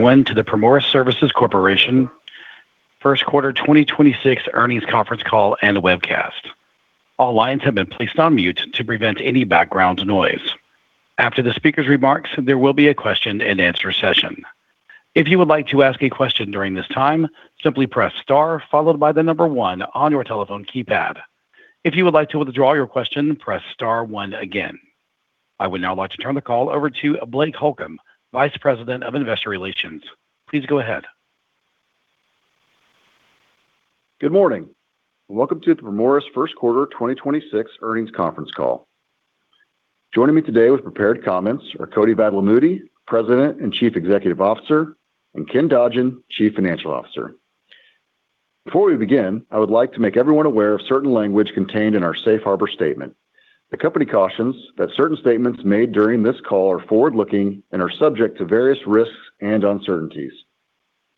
Welcome to the Primoris Services Corporation first quarter 2026 earnings conference call and webcast. All lines have been placed on mute to prevent any background noise. After the speaker's remarks, there will be a question-and answer session. If you would like to ask a question during this time, simply press star followed by the number one on your telephone keypad. If you would like to withdraw your question, press star one again. I would now like to turn the call over to Blake Holcomb, Vice President of Investor Relations. Please go ahead. Good morning. Welcome to the Primoris first quarter 2026 earnings conference call. Joining me today with prepared comments are Koti Vadlamudi, President and Chief Executive Officer, and Ken Dodgen, Chief Financial Officer. Before we begin, I would like to make everyone aware of certain language contained in our Safe Harbor statement. The company cautions that certain statements made during this call are forward-looking and are subject to various risks and uncertainties.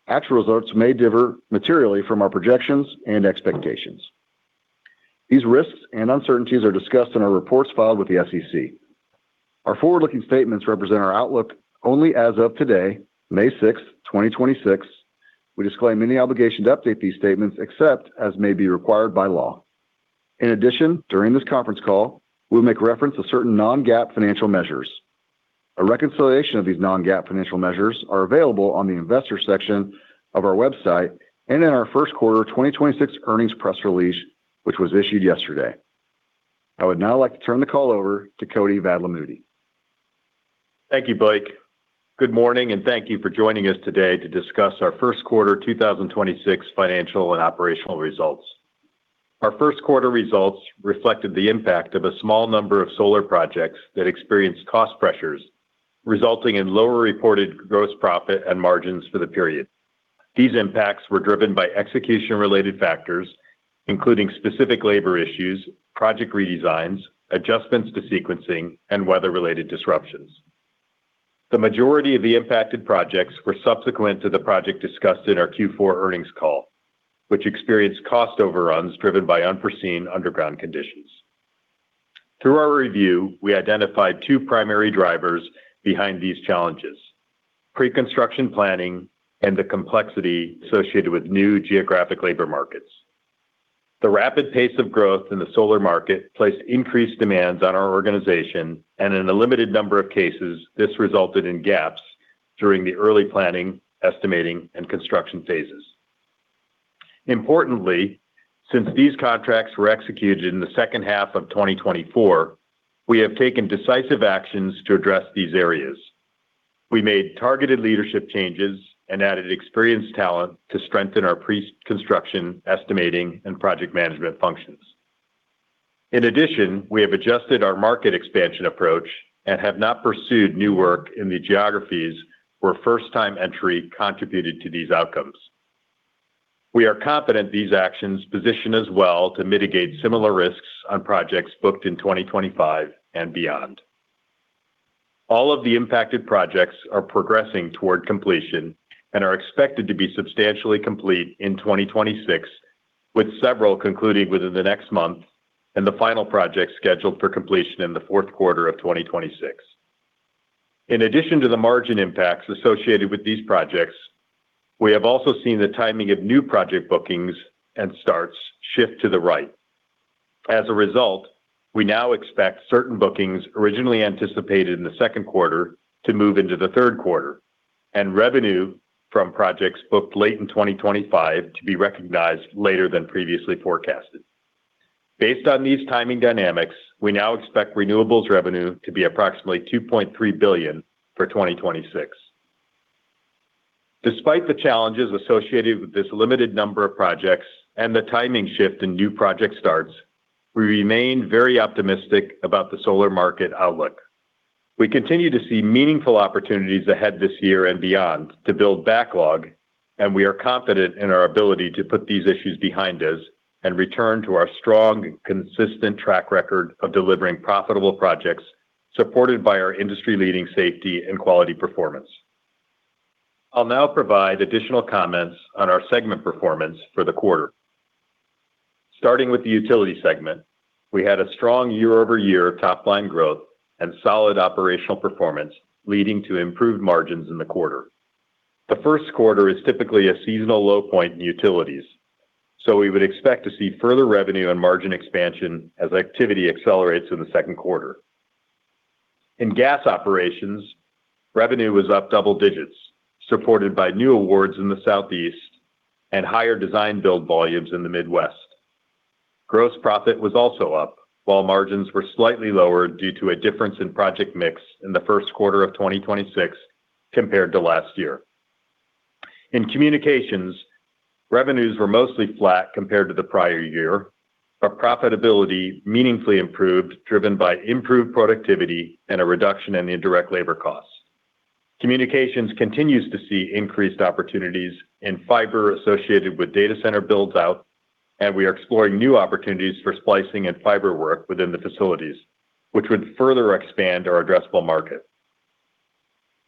Actual results may differ materially from our projections and expectations. These risks and uncertainties are discussed in our reports filed with the SEC. Our forward-looking statements represent our outlook only as of today, May 6th, 2026. We disclaim any obligation to update these statements except as may be required by law. In addition, during this conference call, we'll make reference to certain non-GAAP financial measures. A reconciliation of these non-GAAP financial measures are available on the investor section of our website and in our first quarter 2026 earnings press release, which was issued yesterday. I would now like to turn the call over to Koti Vadlamudi. Thank you, Blake. Good morning, and thank you for joining us today to discuss our first quarter 2026 financial and operational results. Our first quarter results reflected the impact of a small number of solar projects that experienced cost pressures, resulting in lower reported gross profit and margins for the period. These impacts were driven by execution-related factors, including specific labor issues, project redesigns, adjustments to sequencing, and weather-related disruptions. The majority of the impacted projects were subsequent to the project discussed in our Q4 earnings call, which experienced cost overruns driven by unforeseen underground conditions. Through our review, we identified two primary drivers behind these challenges: pre-construction planning and the complexity associated with new geographic labor markets. The rapid pace of growth in the solar market placed increased demands on our organization, and in a limited number of cases, this resulted in gaps during the early planning, estimating, and construction phases. Importantly, since these contracts were executed in the second half of 2024, we have taken decisive actions to address these areas. We made targeted leadership changes and added experienced talent to strengthen our pre-construction estimating and project management functions. In addition, we have adjusted our market expansion approach and have not pursued new work in the geographies where first-time entry contributed to these outcomes. We are confident these actions position us well to mitigate similar risks on projects booked in 2025 and beyond. All of the impacted projects are progressing toward completion and are expected to be substantially complete in 2026, with several concluding within the next month and the final project scheduled for completion in the fourth quarter of 2026. In addition to the margin impacts associated with these projects, we have also seen the timing of new project bookings and starts shift to the right. As a result, we now expect certain bookings originally anticipated in the second quarter to move into the third quarter, and revenue from projects booked late in 2025 to be recognized later than previously forecasted. Based on these timing dynamics, we now expect renewables revenue to be approximately $2.3 billion for 2026. Despite the challenges associated with this limited number of projects and the timing shift in new project starts, we remain very optimistic about the solar market outlook. We continue to see meaningful opportunities ahead this year and beyond to build backlog, and we are confident in our ability to put these issues behind us and return to our strong, consistent track record of delivering profitable projects supported by our industry-leading safety and quality performance. I'll now provide additional comments on our segment performance for the quarter. Starting with the Utility segment, we had a strong year-over-year top-line growth and solid operational performance, leading to improved margins in the quarter. The first quarter is typically a seasonal low point in utilities, so we would expect to see further revenue and margin expansion as activity accelerates in the second quarter. In gas operations, revenue was up double digits, supported by new awards in the Southeast and higher design build volumes in the Midwest. Gross profit was also up, while margins were slightly lower due to a difference in project mix in the 1st quarter of 2026 compared to last year. In Communications, revenues were mostly flat compared to the prior year, but profitability meaningfully improved, driven by improved productivity and a reduction in the indirect labor costs. Communications continues to see increased opportunities in fiber associated with data center builds out, and we are exploring new opportunities for splicing and fiber work within the facilities, which would further expand our addressable market.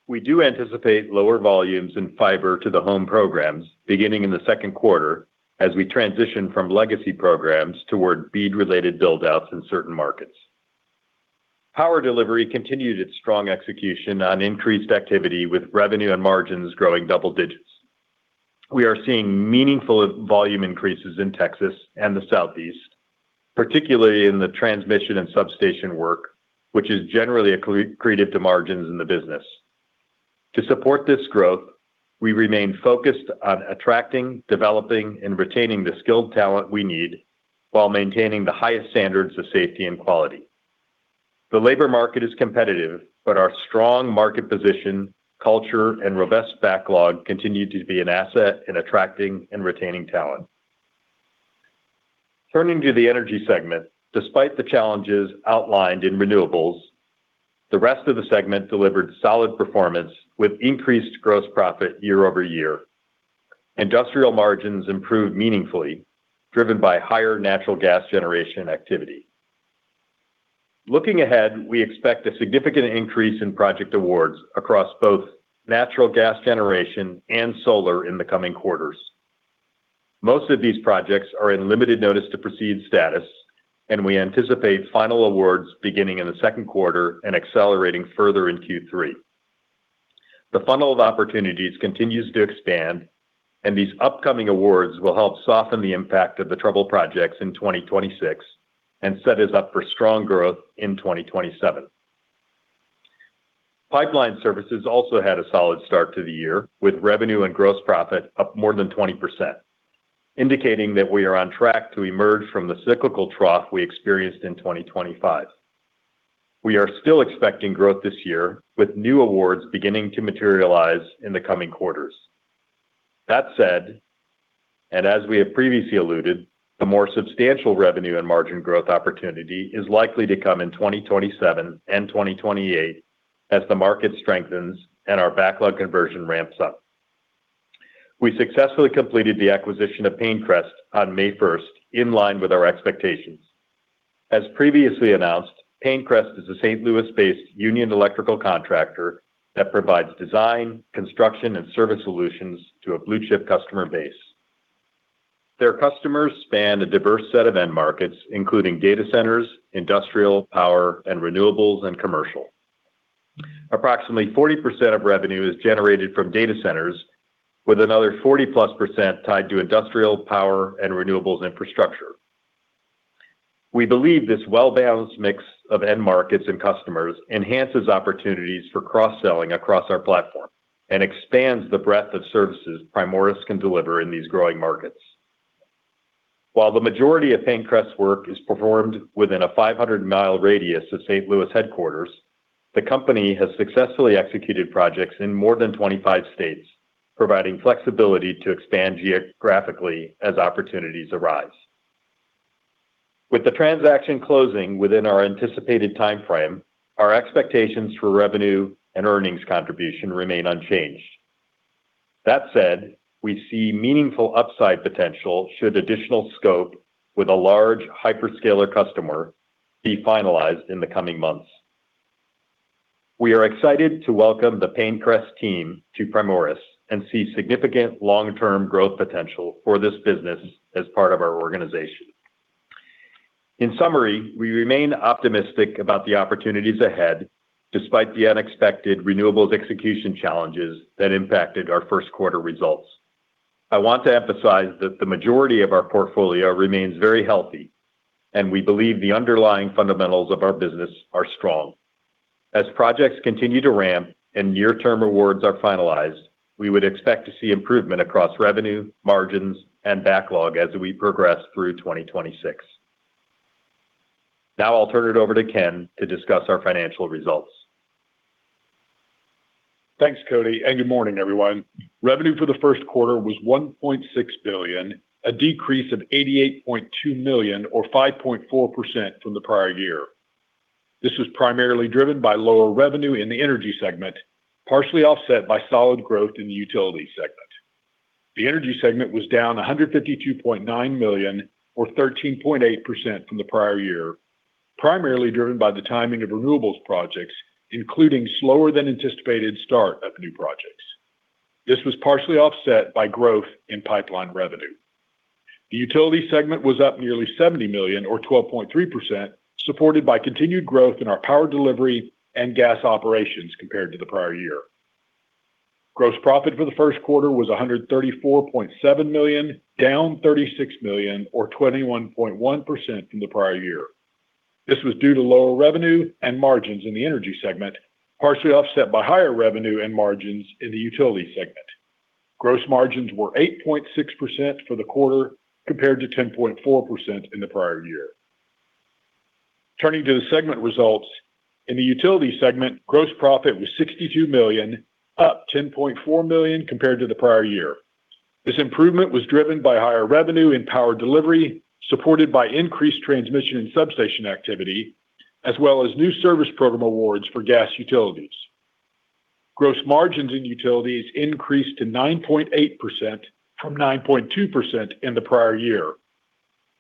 We do anticipate lower volumes in fiber to the home programs beginning in the second quarter as we transition from legacy programs toward BEAD-related build-outs in certain markets. Power delivery continued its strong execution on increased activity with revenue and margins growing double digits. We are seeing meaningful volume increases in Texas and the Southeast, particularly in the transmission and substation work, which is generally accretive to margins in the business. To support this growth, we remain focused on attracting, developing, and retaining the skilled talent we need while maintaining the highest standards of safety and quality. The labor market is competitive but our strong market position, culture, and robust backlog continue to be an asset in attracting and retaining talent. Turning to the Energy segment, despite the challenges outlined in renewables, the rest of the segment delivered solid performance with increased gross profit year-over-year. Industrial margins improved meaningfully, driven by higher natural gas generation activity. Looking ahead, we expect a significant increase in project awards across both natural gas generation and solar in the coming quarters. Most of these projects are in limited notice to proceed status. We anticipate final awards beginning in the second quarter and accelerating further in Q3. The funnel of opportunities continues to expand. These upcoming awards will help soften the impact of the troubled projects in 2026 and set us up for strong growth in 2027. Pipeline services also had a solid start to the year, with revenue and gross profit up more than 20%, indicating that we are on track to emerge from the cyclical trough we experienced in 2025. We are still expecting growth this year, with new awards beginning to materialize in the coming quarters. That said, as we have previously alluded, the more substantial revenue and margin growth opportunity is likely to come in 2027 and 2028 as the market strengthens and our backlog conversion ramps up. We successfully completed the acquisition of PayneCrest on May first, in line with our expectations. As previously announced, PayneCrest is a St. Louis-based union electrical contractor that provides design, construction, and service solutions to a blue-chip customer base. Their customers span a diverse set of end markets, including data centers, industrial, power and renewables, and commercial. Approximately 40% of revenue is generated from data centers, with another 40%+ percent tied to industrial, power, and renewables infrastructure. We believe this well-balanced mix of end markets and customers enhances opportunities for cross-selling across our platform and expands the breadth of services Primoris can deliver in these growing markets. While the majority of PayneCrest's work is performed within a 500-mile radius of St. Louis headquarters, the company has successfully executed projects in more than 25 states, providing flexibility to expand geographically as opportunities arise. With the transaction closing within our anticipated timeframe, our expectations for revenue and earnings contribution remain unchanged. That said, we see meaningful upside potential should additional scope with a large hyperscaler customer be finalized in the coming months. We are excited to welcome the PayneCrest team to Primoris and see significant long-term growth potential for this business as part of our organization. In summary, we remain optimistic about the opportunities ahead, despite the unexpected renewables execution challenges that impacted our first quarter results. I want to emphasize that the majority of our portfolio remains very healthy, and we believe the underlying fundamentals of our business are strong. As projects continue to ramp and near-term awards are finalized, we would expect to see improvement across revenue, margins, and backlog as we progress through 2026. Now I'll turn it over to Ken to discuss our financial results. Thanks, Koti. Good morning, everyone. Revenue for the first quarter was $1.6 billion, a decrease of $88.2 million or 5.4% from the prior year. This was primarily driven by lower revenue in the Energy segment, partially offset by solid growth in the Utility segment. The Energy segment was down $152.9 million or 13.8% from the prior year, primarily driven by the timing of renewables projects, including slower than anticipated start of new projects. This was partially offset by growth in Pipeline revenue. The Utility segment was up nearly $70 million or 12.3%, supported by continued growth in our power delivery and gas operations compared to the prior year. Gross profit for the first quarter was $134.7 million, down $36 million or 21.1% from the prior year. This was due to lower revenue and margins in the Energy segment, partially offset by higher revenue and margins in the Utility segment. Gross margins were 8.6% for the quarter, compared to 10.4% in the prior year. Turning to the segment results, in the Utility segment, gross profit was $62 million, up $10.4 million compared to the prior year. This improvement was driven by higher revenue in power delivery, supported by increased transmission and substation activity, as well as new service program awards for gas utilities. Gross margins in utilities increased to 9.8% from 9.2% in the prior year.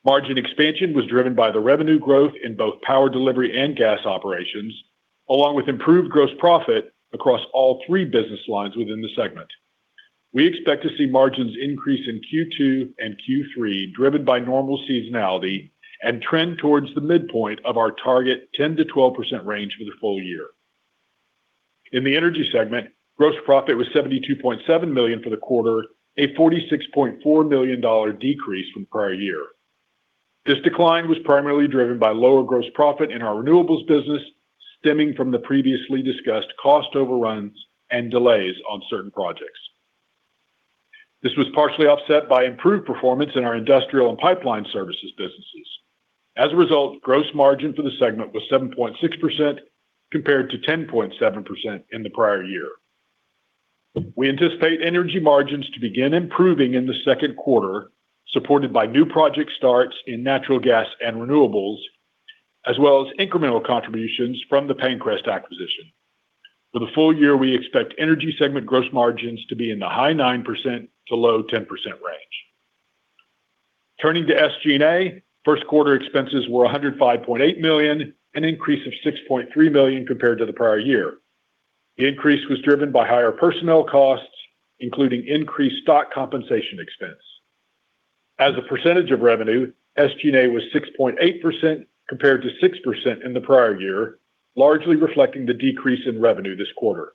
Margin expansion was driven by the revenue growth in both power delivery and gas operations, along with improved gross profit across all three business lines within the segment. We expect to see margins increase in Q2 and Q3, driven by normal seasonality and trend towards the midpoint of our target 10%-12% range for the full-year. In the Energy segment, gross profit was $72.7 million for the quarter, a $46.4 million decrease from prior year. This decline was primarily driven by lower gross profit in our Renewables business, stemming from the previously discussed cost overruns and delays on certain projects. This was partially offset by improved performance in our Industrial and Pipeline Services businesses. As a result, gross margin for the segment was 7.6% compared to 10.7% in the prior year. We anticipate Energy margins to begin improving in the second quarter, supported by new project starts in natural gas and renewables, as well as incremental contributions from the PayneCrest acquisition. For the full-year, we expect Energy segment gross margins to be in the high 9%-10% low range. Turning to SG&A, first quarter expenses were $105.8 million, an increase of $6.3 million compared to the prior year. The increase was driven by higher personnel costs, including increased stock compensation expense. As a percentage of revenue, SG&A was 6.8% compared to 6% in the prior year, largely reflecting the decrease in revenue this quarter.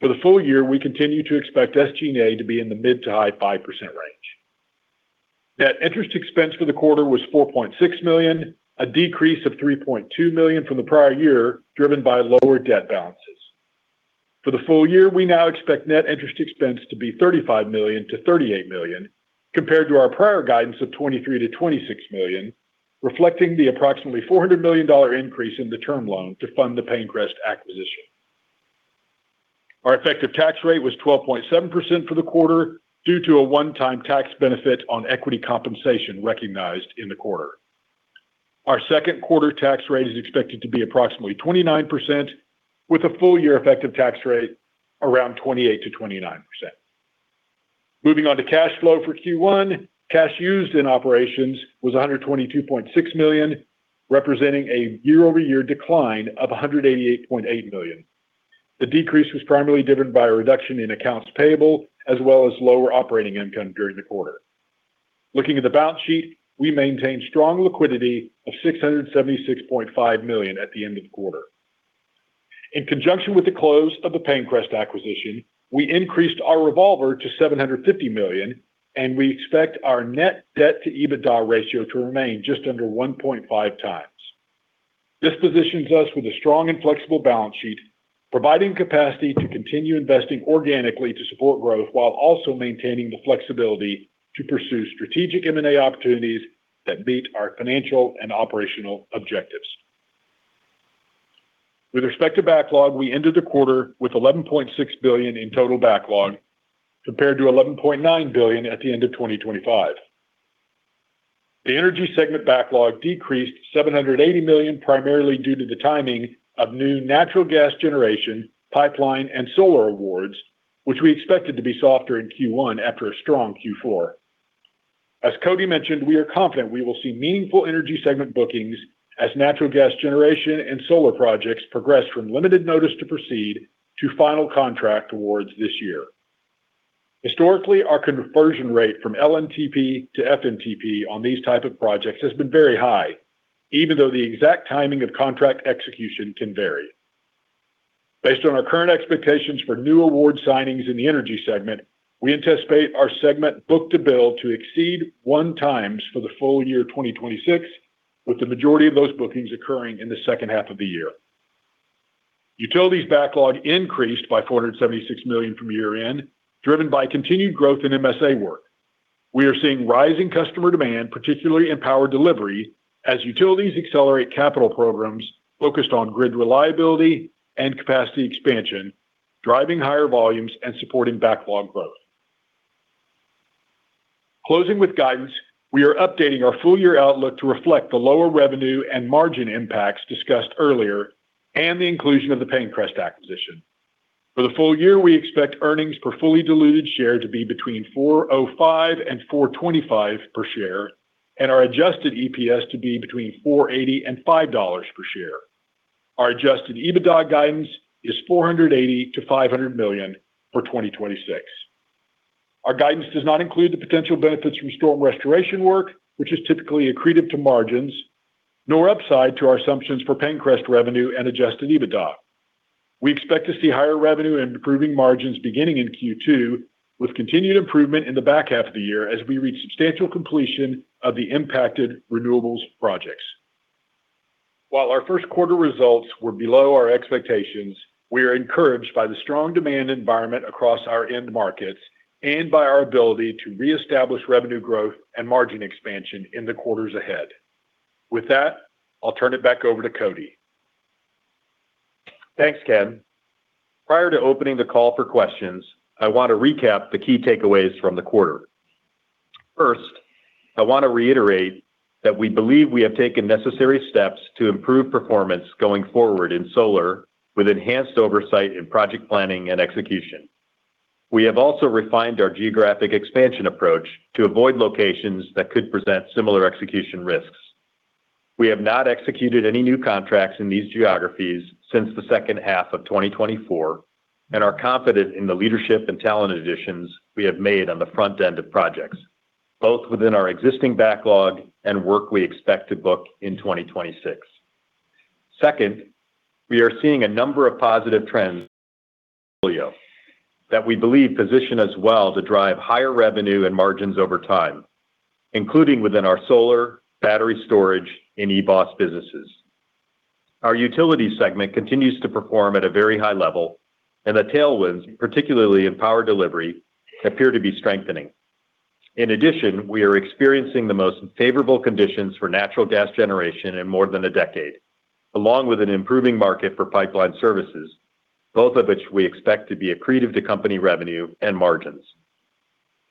For the full-year, we continue to expect SG&A to be in the mid to high 5% range. Net interest expense for the quarter was $4.6 million, a decrease of $3.2 million from the prior year, driven by lower debt balances. For the full-year, we now expect net interest expense to be $35 million-$38 million, compared to our prior guidance of $23 million-$26 million, reflecting the approximately $400 million increase in the term loan to fund the PayneCrest acquisition. Our effective tax rate was 12.7% for the quarter due to a one-time tax benefit on equity compensation recognized in the quarter. Our second quarter tax rate is expected to be approximately 29%, with a full year effective tax rate around 28%-29%. Moving on to cash flow for Q1, cash used in operations was $122.6 million, representing a year-over-year decline of $188.8 million. The decrease was primarily driven by a reduction in accounts payable as well as lower operating income during the quarter. Looking at the balance sheet, we maintain strong liquidity of $676.5 million at the end of the quarter. In conjunction with the close of the PayneCrest acquisition, we increased our revolver to $750 million, and we expect our net debt to EBITDA ratio to remain just under 1.5x. This positions us with a strong and flexible balance sheet, providing capacity to continue investing organically to support growth while also maintaining the flexibility to pursue strategic M&A opportunities that meet our financial and operational objectives. With respect to backlog, we ended the quarter with $11.6 billion in total backlog, compared to $11.9 billion at the end of 2025. The Energy segment backlog decreased $780 million, primarily due to the timing of new natural gas generation, pipeline, and solar awards, which we expected to be softer in Q1 after a strong Q4. As Koti mentioned, we are confident we will see meaningful Energy segment bookings as natural gas generation and solar projects progress from limited notice to proceed to final contract awards this year. Historically, our conversion rate from LNTP to FNTP on these type of projects has been very high, even though the exact timing of contract execution can vary. Based on our current expectations for new award signings in the Energy segment, we anticipate our segment book-to-bill to exceed one times for the full-year 2026, with the majority of those bookings occurring in the second half of the year. Utilities backlog increased by $476 million from year-end, driven by continued growth in MSA work. We are seeing rising customer demand, particularly in power delivery, as utilities accelerate capital programs focused on grid reliability and capacity expansion, driving higher volumes and supporting backlog growth. Closing with guidance, we are updating our full-year outlook to reflect the lower revenue and margin impacts discussed earlier and the inclusion of the PayneCrest acquisition. For the full-year, we expect earnings per fully diluted share to be between $4.05 and $4.25 per share and our adjusted EPS to be between $4.80 and $5.00 per share. Our adjusted EBITDA guidance is $480 million-$500 million for 2026. Our guidance does not include the potential benefits from storm restoration work, which is typically accretive to margins, nor upside to our assumptions for PayneCrest revenue and adjusted EBITDA. We expect to see higher revenue and improving margins beginning in Q2, with continued improvement in the back half of the year as we reach substantial completion of the impacted renewables projects. While our first quarter results were below our expectations, we are encouraged by the strong demand environment across our end markets and by our ability to reestablish revenue growth and margin expansion in the quarters ahead. With that, I'll turn it back over to Koti. Thanks, Ken. Prior to opening the call for questions, I want to recap the key takeaways from the quarter. First, I want to reiterate that we believe we have taken necessary steps to improve performance going forward in solar with enhanced oversight in project planning and execution. We have also refined our geographic expansion approach to avoid locations that could present similar execution risks. We have not executed any new contracts in these geographies since the second half of 2024 and are confident in the leadership and talent additions we have made on the front end of projects, both within our existing backlog and work we expect to book in 2026. Second, we are seeing a number of positive trends that we believe position us well to drive higher revenue and margins over time, including within our solar, battery storage and eBOS businesses. Our Utility segment continues to perform at a very high level and the tailwinds, particularly in power delivery, appear to be strengthening. In addition, we are experiencing the most favorable conditions for natural gas generation in more than a decade, along with an improving market for Pipeline services, both of which we expect to be accretive to company revenue and margins.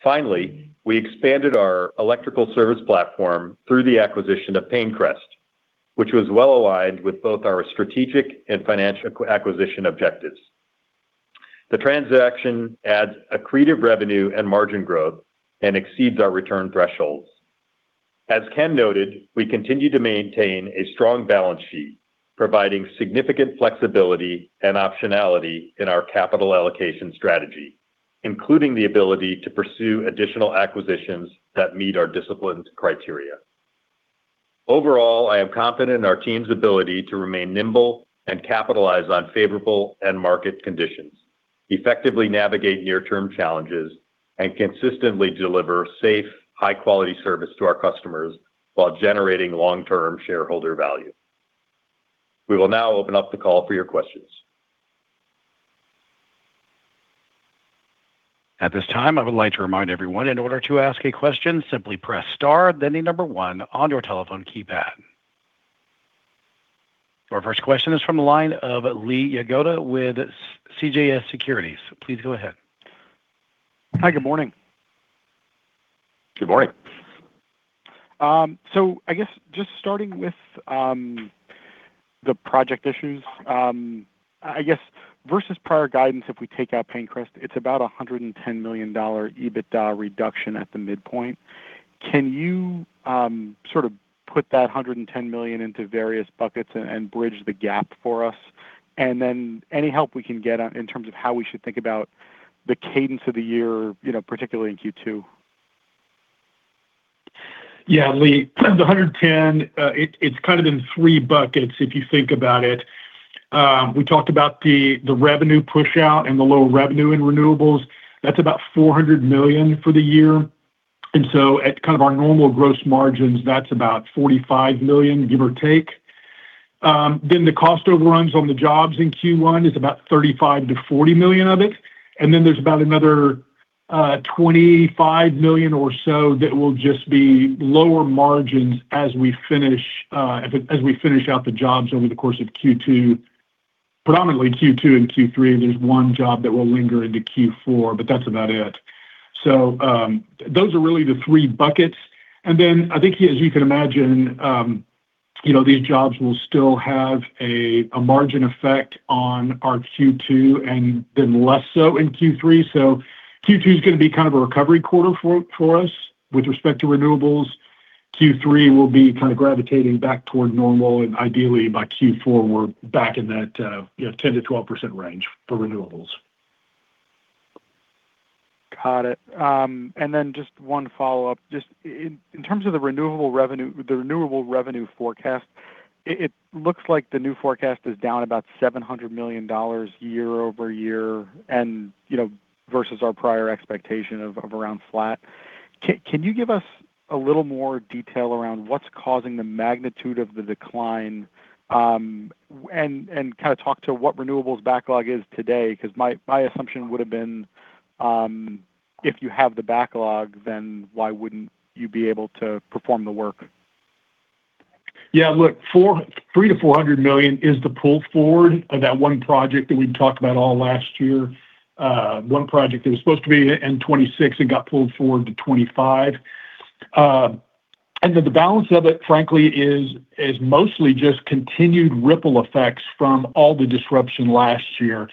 Finally, we expanded our electrical service platform through the acquisition of PayneCrest, which was well aligned with both our strategic and financial acquisition objectives. The transaction adds accretive revenue and margin growth and exceeds our return thresholds. As Ken noted, we continue to maintain a strong balance sheet, providing significant flexibility and optionality in our capital allocation strategy, including the ability to pursue additional acquisitions that meet our disciplined criteria. Overall, I am confident in our team's ability to remain nimble and capitalize on favorable end market conditions, effectively navigate near-term challenges, and consistently deliver safe, high-quality service to our customers while generating long-term shareholder value. We will now open up the call for your questions. At this time, I would like to remind everyone, in order to ask a question, simply press star then the number one on your telephone keypad. Our first question is from the line of Lee Jagoda with CJS Securities. Please go ahead. Hi. Good morning. Good morning. I guess just starting with the project issues. I guess versus prior guidance, if we take out PayneCrest, it's about a $110 million EBITDA reduction at the midpoint. Can you sort of put that $110 million into various buckets and bridge the gap for us? Then any help we can get on in terms of how we should think about the cadence of the year, you know, particularly in Q2. Yeah, Lee, the $110 million, it's kind of in three buckets if you think about it. We talked about the revenue push out and the low revenue in renewables. That's about $400 million for the year. At kind of our normal gross margins, that's about $45 million, give or take. The cost overruns on the jobs in Q1 is about $35 million-$40 million of it. There's about another $25 million or so that will just be lower margins as we finish out the jobs over the course of Q2, predominantly Q2 and Q3. There's 1 job that will linger into Q4, but that's about it. Those are really the three buckets. I think, as you can imagine, you know, these jobs will still have a margin effect on our Q2 and then less so in Q3. Q2 is gonna be kind of a recovery quarter for us with respect to renewables. Q3 will be kind of gravitating back toward normal and ideally by Q4, we're back in that, you know, 10%-12% range for renewables. Got it. Just one follow-up. Just in terms of the renewable revenue forecast, it looks like the new forecast is down about $700 million year-over-year and versus our prior expectation of around flat. Can you give us a little more detail around what's causing the magnitude of the decline and kind of talk to what renewables backlog is today? 'Cause my assumption would have been, if you have the backlog, then why wouldn't you be able to perform the work? Look, $300 million-$400 million is the pull forward of that one project that we talked about all last year. One project that was supposed to be in 2026 and got pulled forward to 2025. The balance of it, frankly, is mostly just continued ripple effects from all the disruption last year.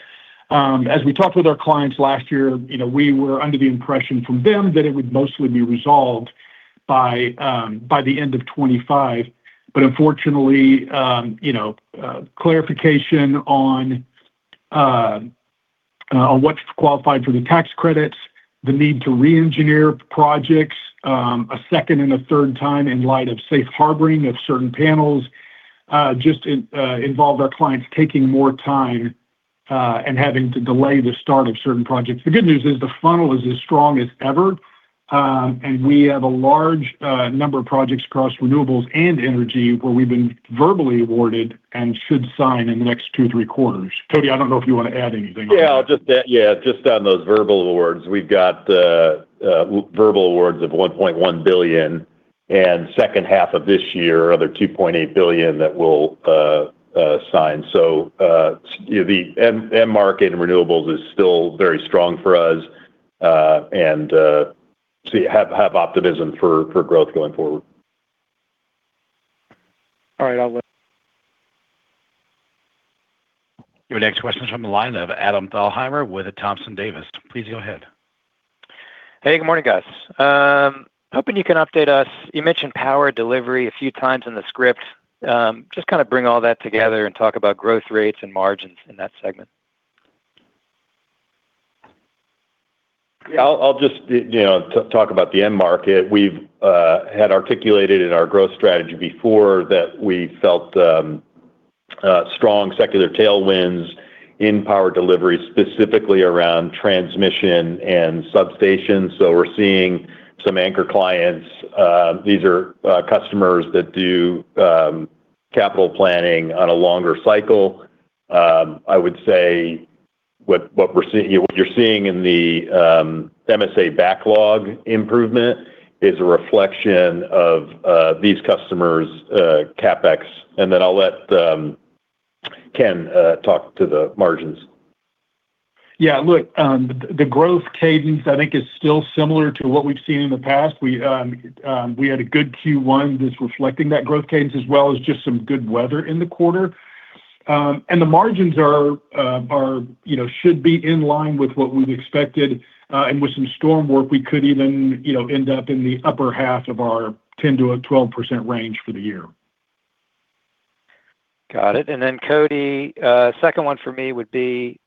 As we talked with our clients last year, you know, we were under the impression from them that it would mostly be resolved by the end of 2025. Unfortunately, you know, clarification on what's qualified for the tax credits, the need to re-engineer projects, a second and a third time in light of safe harboring of certain panels, just involved our clients taking more time and having to delay the start of certain projects. The good news is the funnel is as strong as ever, and we have a large number of projects across renewables and energy where we've been verbally awarded and should sign in the next 2-3 quarters. Koti, I don't know if you want to add anything on that. I'll just add, just on those verbal awards. We've got verbal awards of $1.1 billion and second half of this year, another $2.8 billion that we'll sign. You know, the end market in renewables is still very strong for us, and have optimism for growth going forward. All right. Your next question is from the line of Adam Thalhimer with Thompson Davis. Please go ahead. Hey, good morning, guys. Hoping you can update us. You mentioned power delivery a few times in the script. Just kind of bring all that together and talk about growth rates and margins in that segment. I'll just, you know, talk about the end market. We've had articulated in our growth strategy before that we felt strong secular tailwinds in power delivery, specifically around transmission and substations. We're seeing some anchor clients, these are customers that do capital planning on a longer cycle. I would say what you're seeing in the MSA backlog improvement is a reflection of these customers' CapEx. I'll let Ken talk to the margins. Look, the growth cadence I think is still similar to what we've seen in the past. We had a good Q1 that's reflecting that growth cadence as well as just some good weather in the quarter. The margins are, you know, should be in line with what we've expected. With some storm work, we could even, you know, end up in the upper half of our 10%-12% range for the year. Got it. Koti, second one for me would be,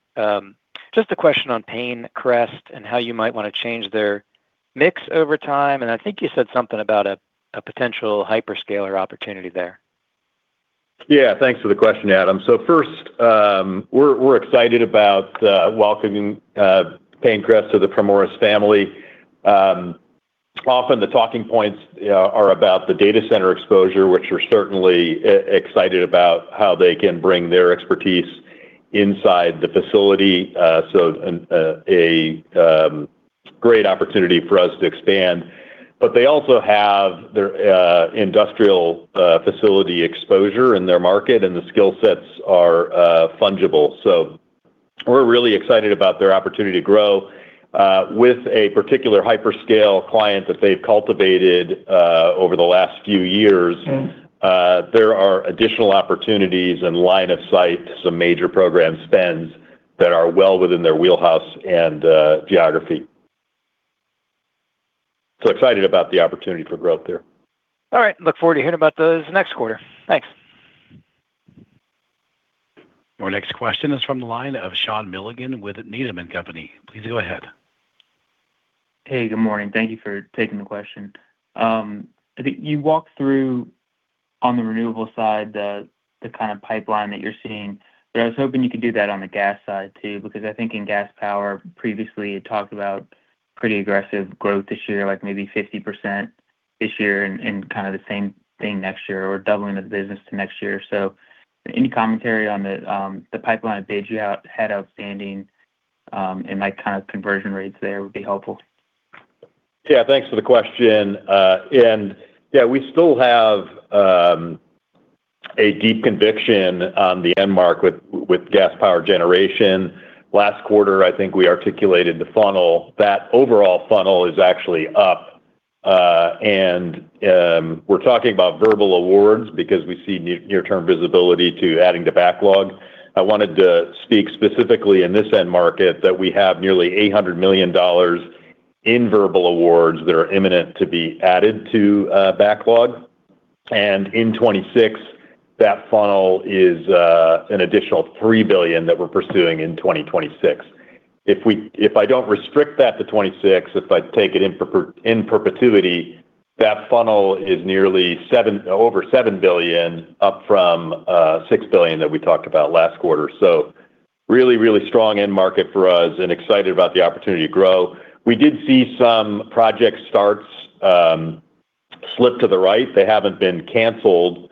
just a question on PayneCrest and how you might want to change their mix over time. I think you said something about a potential hyperscaler opportunity there. Thanks for the question, Adam. First, we're excited about welcoming PayneCrest to the Primoris family. Often the talking points are about the data center exposure, which we're certainly excited about how they can bring their expertise inside the facility. A great opportunity for us to expand. They also have their industrial facility exposure in their market, and the skill sets are fungible. We're really excited about their opportunity to grow with a particular hyperscale client that they've cultivated over the last few years. There are additional opportunities and line of sight to some major program spends that are well within their wheelhouse and geography. Excited about the opportunity for growth there. All right. Look forward to hearing about those next quarter. Thanks. Our next question is from the line of Sean Milligan with Needham & Company. Please go ahead. Hey, good morning. Thank you for taking the question. I think you walked through on the renewable side, the kind of pipeline that you're seeing. I was hoping you could do that on the gas side too, because I think in gas power previously, you talked about pretty aggressive growth this year, like maybe 50% this year and kind of the same thing next year, or doubling the business to next year. Any commentary on the pipeline that you have had outstanding, and like kind of conversion rates there would be helpful. Yeah. Thanks for the question. Yeah, we still have a deep conviction on the end market with gas power generation. Last quarter, I think we articulated the funnel. That overall funnel is actually up, we're talking about verbal awards because we see near-term visibility to adding to backlog. I wanted to speak specifically in this end market that we have nearly $800 million in verbal awards that are imminent to be added to backlog. In 2026, that funnel is an additional $3 billion that we're pursuing in 2026. If I don't restrict that to 2026, if I take it in perpetuity, that funnel is nearly over $7 billion, up from $6 billion that we talked about last quarter. Really strong end market for us and excited about the opportunity to grow. We did see some project starts slip to the right. They haven't been canceled,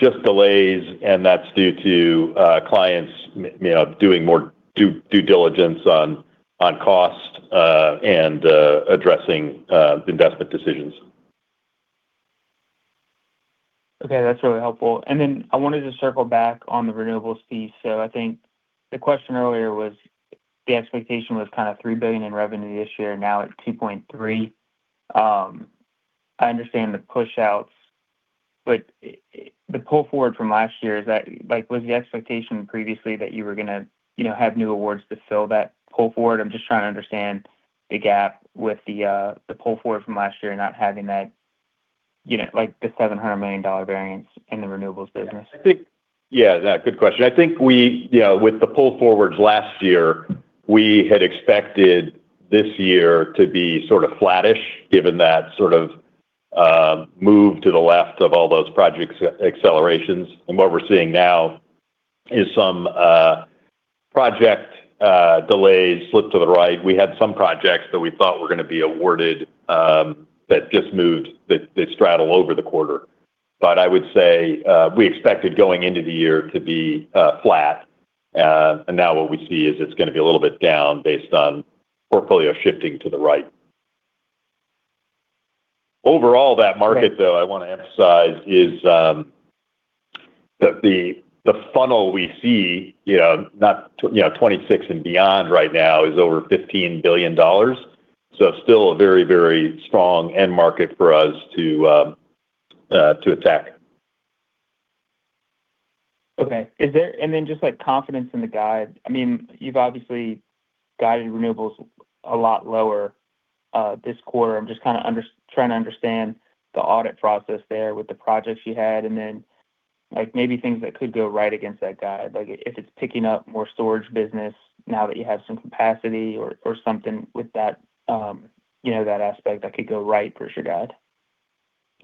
just delays, and that's due to clients you know, doing more due diligence on cost, and addressing investment decisions. That's really helpful. I wanted to circle back on the renewables piece. I think the question earlier was the expectation was kind of $3 billion in revenue this year, now it's $2.3 billion. I understand the pushouts, but the pull forward from last year, like, was the expectation previously that you were gonna, you know, have new awards to fill that pull forward? I'm just trying to understand the gap with the pull forward from last year not having that, you know, like the $700 million variance in the Renewables business. I think Yeah, good question. I think we, you know, with the pull forwards last year, we had expected this year to be sort of flattish, given that sort of move to the left of all those project accelerations. What we're seeing now is some project delays slip to the right. We had some projects that we thought were gonna be awarded that just moved that straddle over the quarter. I would say, we expected going into the year to be flat. Now what we see is it's gonna be a little bit down based on portfolio shifting to the right. Overall, that market, though, I want to emphasize is the funnel we see, you know, 26 and beyond right now is over $15 billion. Still a very strong end market for us to attack. Okay. Just like confidence in the guide, I mean, you've obviously guided renewables a lot lower this quarter. I'm just kinda trying to understand the audit process there with the projects you had and then, like, maybe things that could go right against that guide. Like, if it's picking up more Storage business now that you have some capacity or something with that, you know, that aspect that could go right versus your guide.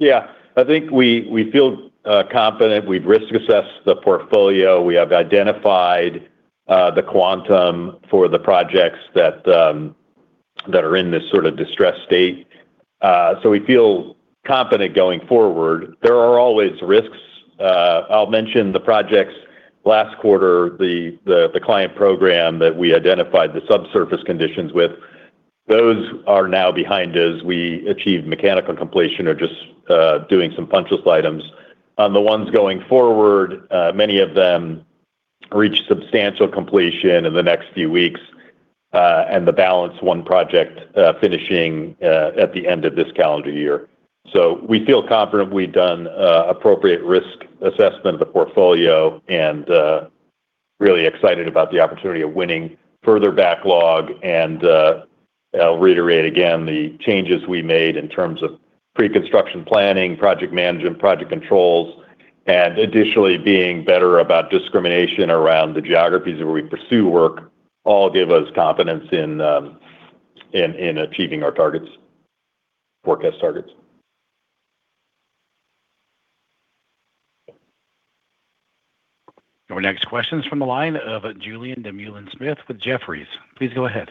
I think we feel confident. We've risk assessed the portfolio. We have identified the quantum for the projects that are in this sort of distressed state. We feel confident going forward. There are always risks. I'll mention the projects last quarter, the client program that we identified the subsurface conditions with. Those are now behind us. We achieved mechanical completion or just doing some punch list items. On the ones going forward, many of them reach substantial completion in the next few weeks, and the balance one project finishing at the end of this calendar year. We feel confident we've done appropriate risk assessment of the portfolio and really excited about the opportunity of winning further backlog. I'll reiterate again the changes we made in terms of preconstruction planning, project management, project controls, and additionally being better about discrimination around the geographies where we pursue work all give us confidence in achieving our targets, forecast targets. Our next question's from the line of Julien Dumoulin-Smith with Jefferies. Please go ahead.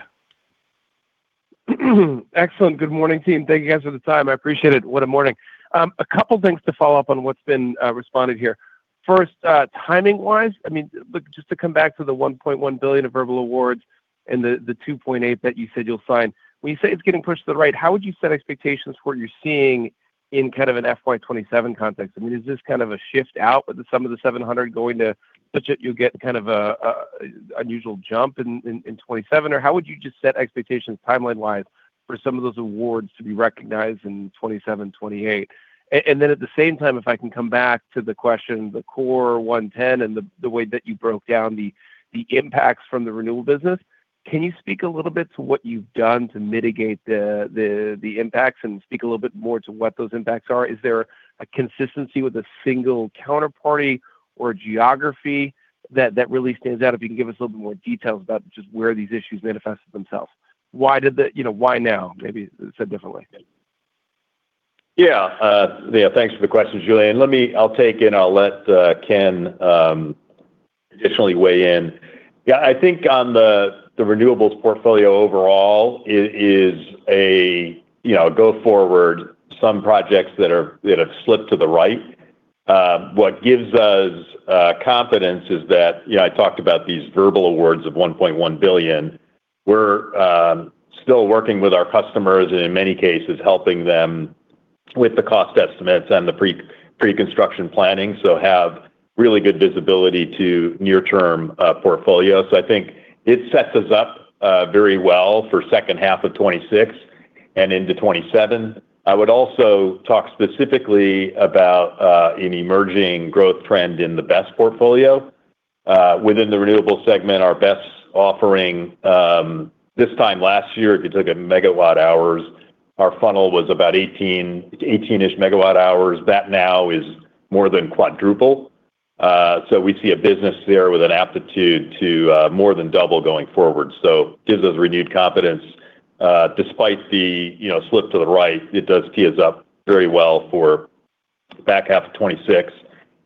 Excellent. Good morning, team. Thank you guys for the time. I appreciate it. What a morning. A couple things to follow-up on what's been responded here. First, timing-wise, I mean, look, just to come back to the $1.1 billion of verbal awards and the $2.8 that you said you'll sign. When you say it's getting pushed to the right, how would you set expectations for what you're seeing in kind of an FY 2027 context? I mean, is this kind of a shift out with some of the $700 million going to such that you'll get kind of an unusual jump in 2027? How would you just set expectations timeline-wise for some of those awards to be recognized in 2027, 2028? Then at the same time, if I can come back to the question, the core $110 million and the way that you broke down the impacts from the renewal business. Can you speak a little bit to what you've done to mitigate the impacts and speak a little bit more to what those impacts are? Is there a consistency with a single counterparty or geography that really stands out? If you can give us a little bit more details about just where these issues manifested themselves. Why, you know, why now? Maybe said differently. Yeah, thanks for the question, Julien. I'll take and I'll let Ken additionally weigh in. I think on the renewables portfolio overall is a, you know, go forward some projects that have slipped to the right. What gives us confidence is that, you know, I talked about these verbal awards of $1.1 billion. We're still working with our customers, and in many cases helping them with the cost estimates and the preconstruction planning, so have really good visibility to near-term portfolio. I think it sets us up very well for second half of 2026 and into 2027. I would also talk specifically about an emerging growth trend in the BESS portfolio. Within the Renewable segment, our BESS offering, this time last year, if you took a megawatt hours, our funnel was about 18 MW hours. That now is more than quadruple. We see a business there with an aptitude to more than double going forward. Gives us renewed confidence, you know, despite the slip to the right. It does tee us up very well for back half of 2026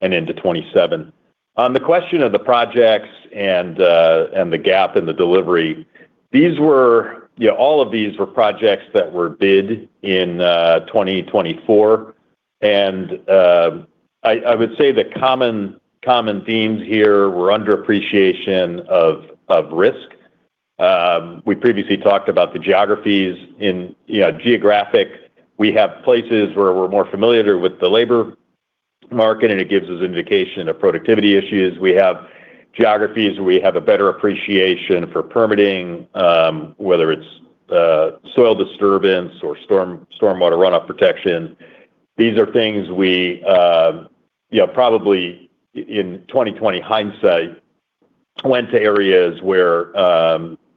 and into 2027. On the question of the projects and the gap in the delivery, all of these were projects that were bid in 2024. I would say the common themes here were under appreciation of risk. We previously talked about the geographies. We have places where we're more familiar with the labor market, and it gives us indication of productivity issues. We have geographies where we have a better appreciation for permitting, whether it's soil disturbance or storm water runoff protection. These are things we, you know, probably in 20/20 hindsight went to areas where,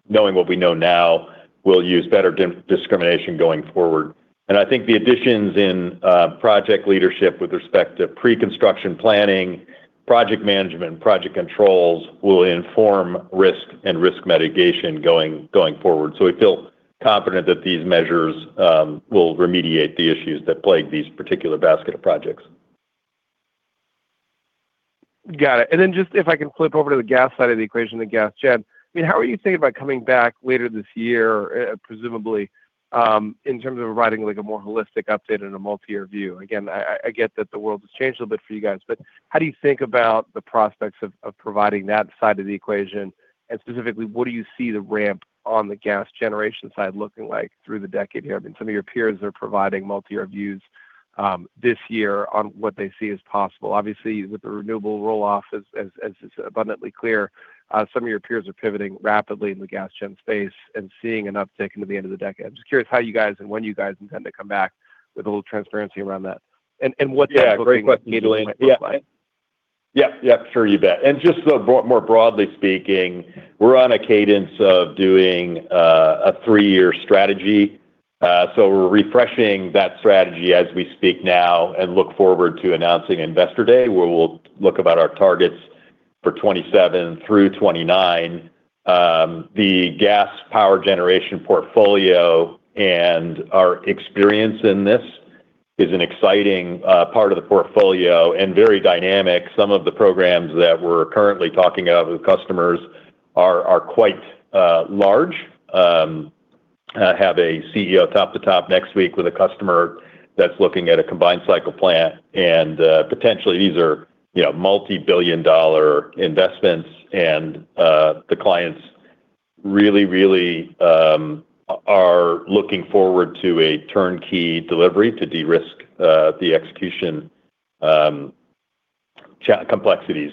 knowing what we know now, we'll use better discrimination going forward. I think the additions in project leadership with respect to preconstruction planning, project management, project controls will inform risk and risk mitigation going forward. We feel confident that these measures will remediate the issues that plague these particular basket of projects. Got it. Just if I can flip over to the gas side of the equation, the gas gen. I mean, how are you thinking about coming back later this year, presumably, in terms of providing, like, a more holistic update and a multi-year view? Again, I get that the world has changed a little bit for you guys, but how do you think about the prospects of providing that side of the equation? Specifically, what do you see the ramp on the gas generation side looking like through the decade here? I mean, some of your peers are providing multi-year views this year on what they see as possible. Obviously, with the renewable roll-off, as it's abundantly clear, some of your peers are pivoting rapidly in the gas gen space and seeing an uptick into the end of the decade. I'm just curious how you guys and when you guys intend to come back with a little transparency around that and what that whole thing maybe might look like. Yeah, yeah, sure, you bet. Just so more broadly speaking, we're on a cadence of doing a three-year strategy. We're refreshing that strategy as we speak now, and look forward to announcing Investor Day, where we'll look about our targets for 2027 through 2029. The gas power generation portfolio and our experience in this is an exciting part of the portfolio and very dynamic. Some of the programs that we're currently talking of with customers are quite large. Have a CEO top-to-top next week with a customer that's looking at a combined cycle plant. Potentially these are, you know, multi-billion dollar investments. The clients really are looking forward to a turnkey delivery to de-risk the execution complexities.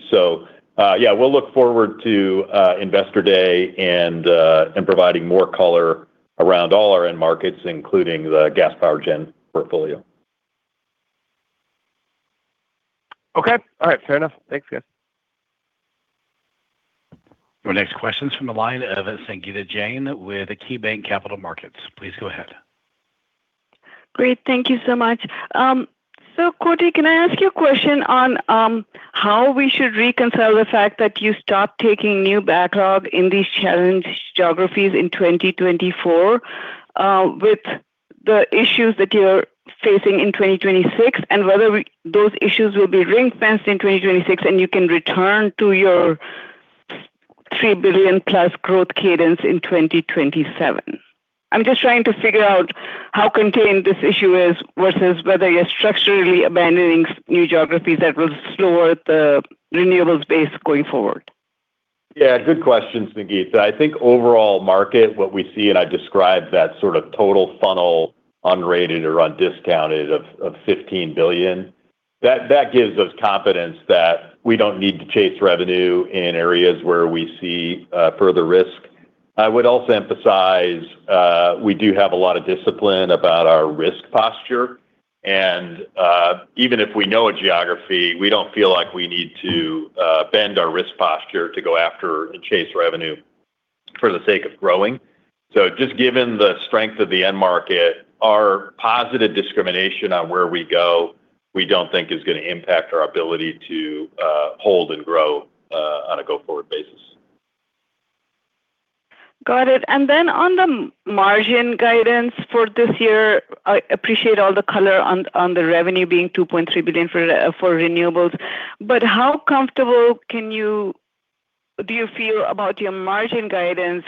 Yeah, we'll look forward to Investor Day and providing more color around all our end markets, including the gas power gen portfolio. Okay. All right. Fair enough. Thanks, guys. Your next question's from the line of Sangita Jain with KeyBanc Capital Markets. Please go ahead. Great. Thank you so much. Koti, can I ask you a question on how we should reconcile the fact that you stopped taking new backlog in these challenged geographies in 2024 with the issues that you're facing in 2026, and whether those issues will be ring-fenced in 2026 and you can return to your $3 billion+ growth cadence in 2027? I'm just trying to figure out how contained this issue is versus whether you're structurally abandoning new geographies that will slow the renewables base going forward. Good question, Sangita. I think overall market, what we see, and I described that sort of total funnel unrated or undiscounted of $15 billion, that gives us confidence that we don't need to chase revenue in areas where we see further risk. I would also emphasize, we do have a lot of discipline about our risk posture. Even if we know a geography, we don't feel like we need to bend our risk posture to go after and chase revenue for the sake of growing. Just given the strength of the end market, our positive discrimination on where we go, we don't think is gonna impact our ability to hold and grow on a go-forward basis. Got it. On the margin guidance for this year, I appreciate all the color on the revenue being $2.3 billion for renewables. How comfortable do you feel about your margin guidance?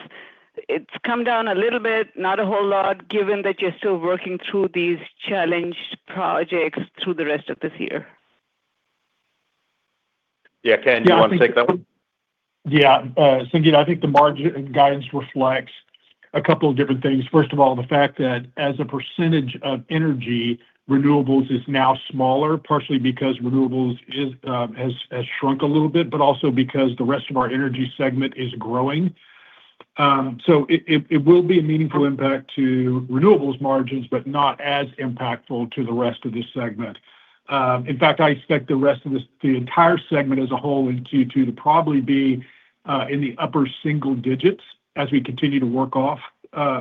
It's come down a little bit, not a whole lot, given that you're still working through these challenged projects through the rest of this year. Yeah, Ken, do you wanna take that one? Sangita, I think the margin guidance reflects a couple of different things. First of all, the fact that as a percentage of energy, renewables is now smaller, partially because renewables is, has shrunk a little bit, but also because the rest of our energy segment is growing. So it will be a meaningful impact to renewables margins, but not as impactful to the rest of this segment. In fact, I expect the rest of the entire segment as a whole in Q2 to probably be in the upper single=digits as we continue to work off,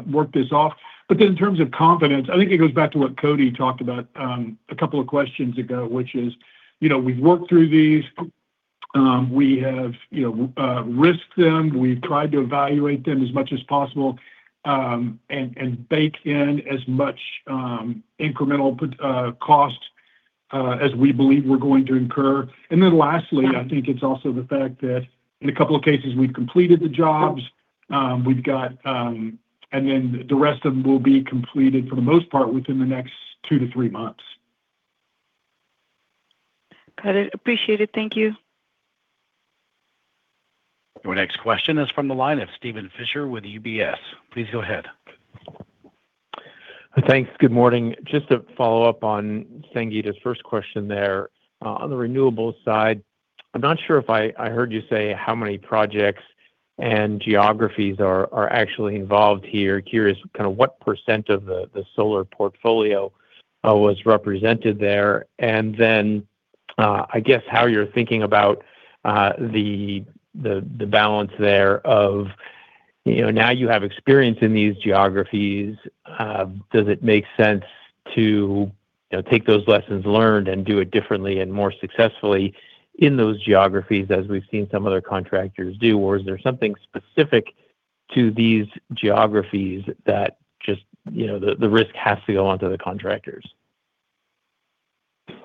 work this off. In terms of confidence, I think it goes back to what Koti talked about a couple of questions ago, which is, you know, we've worked through these. We have, you know, risked them. We've tried to evaluate them as much as possible, and bake in as much incremental cost as we believe we're going to incur. Lastly, I think it's also the fact that in a couple of cases, we've completed the jobs. We've got. The rest of them will be completed for the most part within the next 2-3 months. Got it. Appreciate it. Thank you. Your next question is from the line of Steven Fisher with UBS. Please go ahead. Thanks. Good morning. Just to follow-up on Sangita's first question there. On the renewables side, I'm not sure if I heard you say how many projects and geographies are actually involved here. Curious kind of what percent of the solar portfolio was represented there? Then, I guess how you're thinking about the balance there of, you know, now you have experience in these geographies. Does it make sense to, you know, take those lessons learned and do it differently and more successfully in those geographies as we've seen some other contractors do? Or is there something specific to these geographies that just, you know, the risk has to go onto the contractors?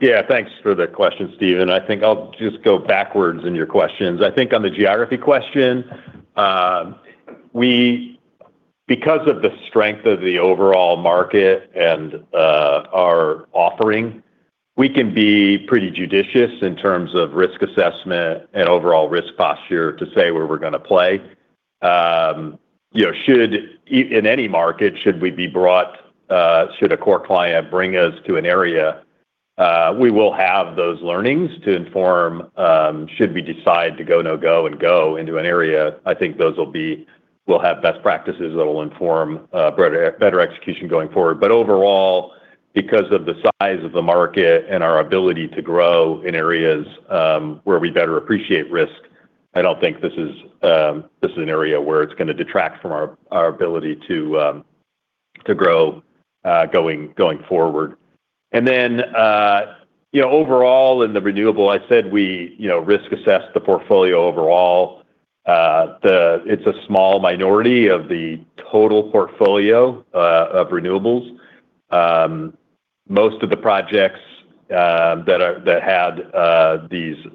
Yeah. Thanks for the question, Steven. I think I'll just go backwards in your questions. I think on the geography question, because of the strength of the overall market and our offering, we can be pretty judicious in terms of risk assessment and overall risk posture to say where we're going to play. You know, in any market, should we be brought, should a core client bring us to an area, we will have those learnings to inform, should we decide to go no-go and go into an area. I think we'll have best practices that will inform, better execution going forward. Overall because of the size of the market and our ability to grow in areas, where we better appreciate risk, I don't think this is, this is an area where it's gonna detract from our ability to grow going forward. Then, you know, overall in the renewable, I said we, you know, risk assess the portfolio overall. It's a small minority of the total portfolio of renewables. Most of the projects that had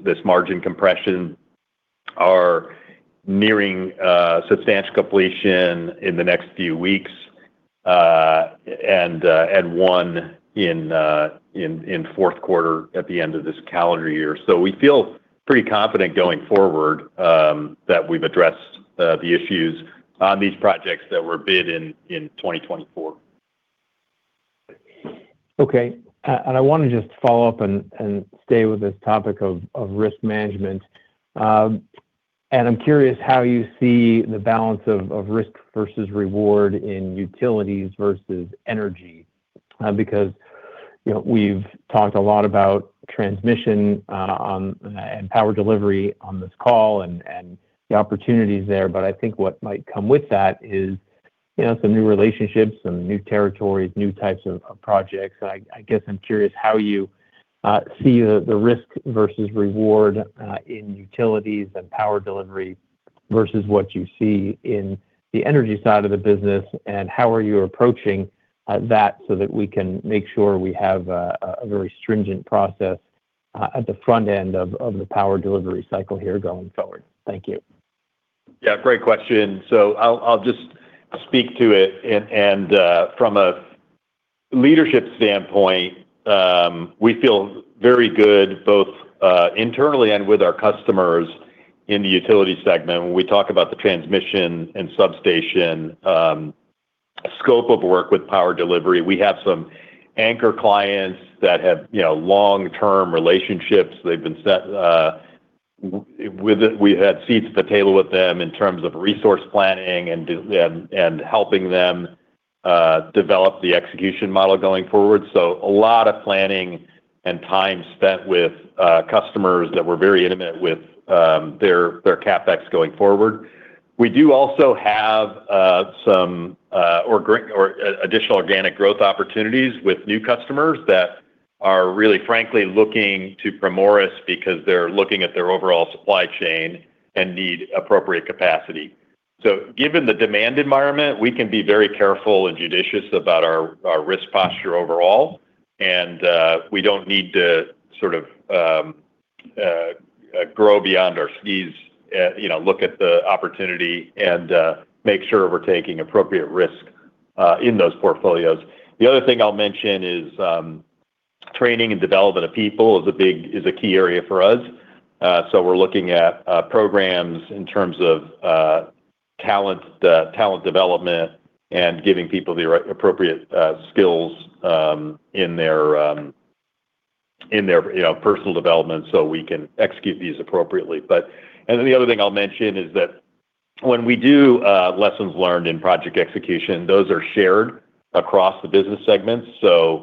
this margin compression are nearing substantial completion in the next few weeks, and one in fourth quarter at the end of this calendar year. We feel pretty confident going forward that we've addressed the issues on these projects that were bid in 2024. Okay. I wanna just follow-up and stay with this topic of risk management. I'm curious how you see the balance of risk versus reward in utilities versus energy. Because, you know, we've talked a lot about transmission and power delivery on this call and the opportunities there, but I think what might come with that is, you know, some new relationships, some new territories, new types of projects. I guess I'm curious how you see the risk versus reward in utilities and power delivery versus what you see in the energy side of the business, and how are you approaching that so that we can make sure we have a very stringent process at the front end of the power delivery cycle here going forward? Thank you. Yeah, great question. I'll just speak to it. From a leadership standpoint, we feel very good both internally and with our customers in the Utility segment when we talk about the transmission and substation scope of work with power delivery. We have some anchor clients that have, you know, long-term relationships. They've been set with it. We had seats at the table with them in terms of resource planning and helping them develop the execution model going forward. A lot of planning and time spent with customers that were very intimate with their CapEx going forward. We do also have some or additional organic growth opportunities with new customers that are really frankly looking to Primoris because they're looking at their overall supply chain and need appropriate capacity. Given the demand environment, we can be very careful and judicious about our risk posture overall, and we don't need to sort of grow beyond our skis. you know, look at the opportunity and make sure we're taking appropriate risk in those portfolios. The other thing I'll mention is training and development of people is a key area for us. we're looking at programs in terms of talent development and giving people the appropriate skills in their, you know, personal development, so we can execute these appropriately. The other thing I'll mention is that when we do lessons learned in project execution, those are shared across the business segments.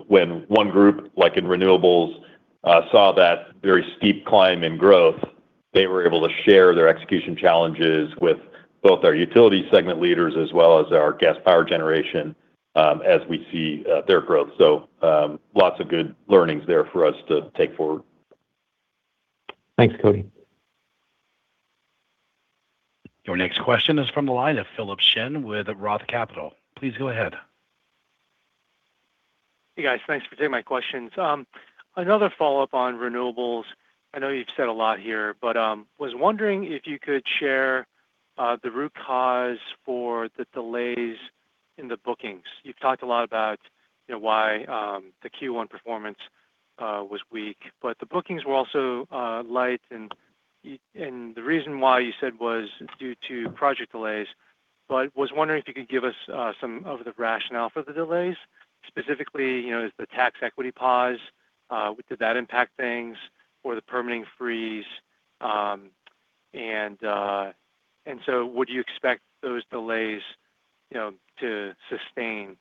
When one group, like in renewables, saw that very steep climb in growth, they were able to share their execution challenges with both our utility segment leaders as well as our gas power generation, as we see, their growth. Lots of good learnings there for us to take forward. Thanks, Koti. Your next question is from the line of Philip Shen with Roth Capital. Please go ahead. Hey, guys. Thanks for taking my questions. Another follow-up on renewables. I know you've said a lot here, but was wondering if you could share the root cause for the delays in the bookings. You've talked a lot about, you know, why the Q1 performance was weak, but the bookings were also light and the reason why you said was due to project delays. Was wondering if you could give us some of the rationale for the delays. Specifically, you know, is the tax equity pause, did that impact things or the permitting freeze? Would you expect those delays, you know, to sustain?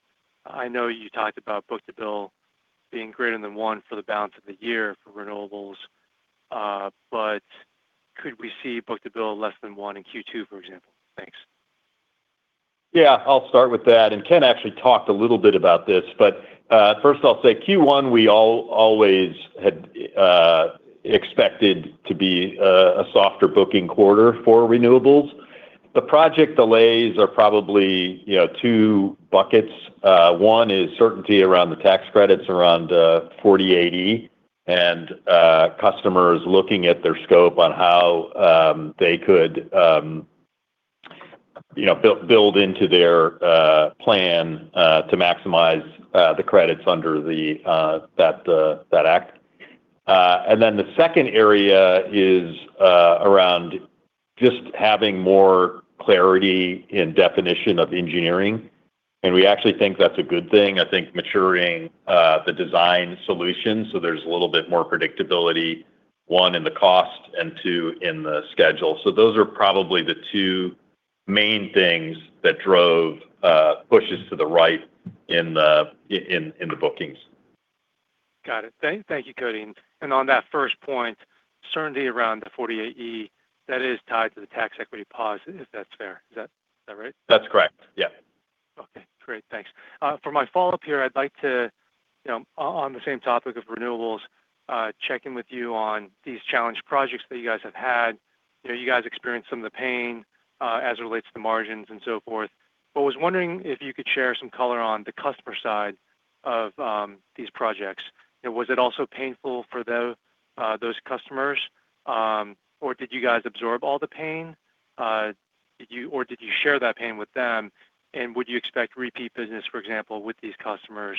I know you talked about book-to-bill being greater than 1 for the balance of the year for renewables, but could we see book-to-bill less than 1 in Q2, for example? Thanks. Yeah, I'll start with that. Ken actually talked a little bit about this. First I'll say Q1, we always had expected to be a softer booking quarter for renewables. The project delays are probably, you know, two buckets. One is certainty around the tax credits around 48E and customers looking at their scope on how they could, you know, build into their plan to maximize the credits under that act. Then the second area is around just having more clarity in definition of engineering, and we actually think that's a good thing. I think maturing the design solution so there's a little bit more predictability, one, in the cost and two, in the schedule. Those are probably the two main things that drove pushes to the right in the bookings. Got it. Thank you, Koti. On that first point, certainty around the 48E that is tied to the tax equity pause, if that's fair. Is that right? That's correct. Yeah. Okay. Great. Thanks. For my follow-up here, I'd like to, you know, on the same topic of renewables, check in with you on these challenged projects that you guys have had. You know, you guys experienced some of the pain as it relates to margins and so forth. Was wondering if you could share some color on the customer side of these projects. You know, was it also painful for those customers? Did you guys absorb all the pain? Did you share that pain with them? Would you expect repeat business, for example, with these customers?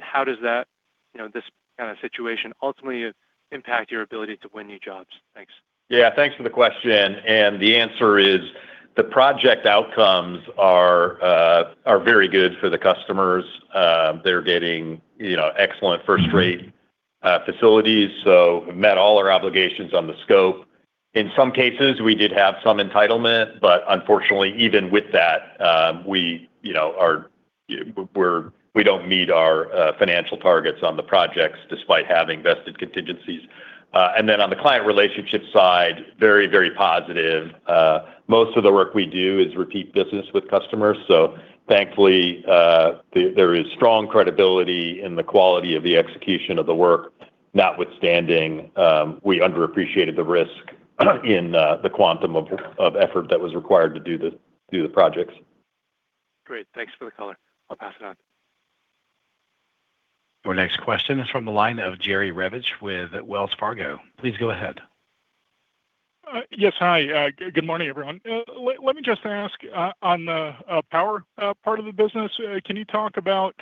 How does that, you know, this kind of situation ultimately impact your ability to win new jobs? Thanks. Yeah, thanks for the question. The answer is the project outcomes are very good for the customers. They're getting, you know, excellent. facilities, we've met all our obligations on the scope. In some cases, we did have some entitlement, unfortunately, even with that, we, you know, we don't meet our financial targets on the projects despite having vested contingencies. On the client relationship side, very, very positive. Most of the work we do is repeat business with customers. Thankfully, there is strong credibility in the quality of the execution of the work, notwithstanding, we underappreciated the risk in the quantum of effort that was required to do the projects. Great. Thanks for the color. I'll pass it on. Our next question is from the line of Jerry Revich with Wells Fargo. Please go ahead. Yes, hi. Good morning, everyone. Let me just ask, on the power part of the business, can you talk about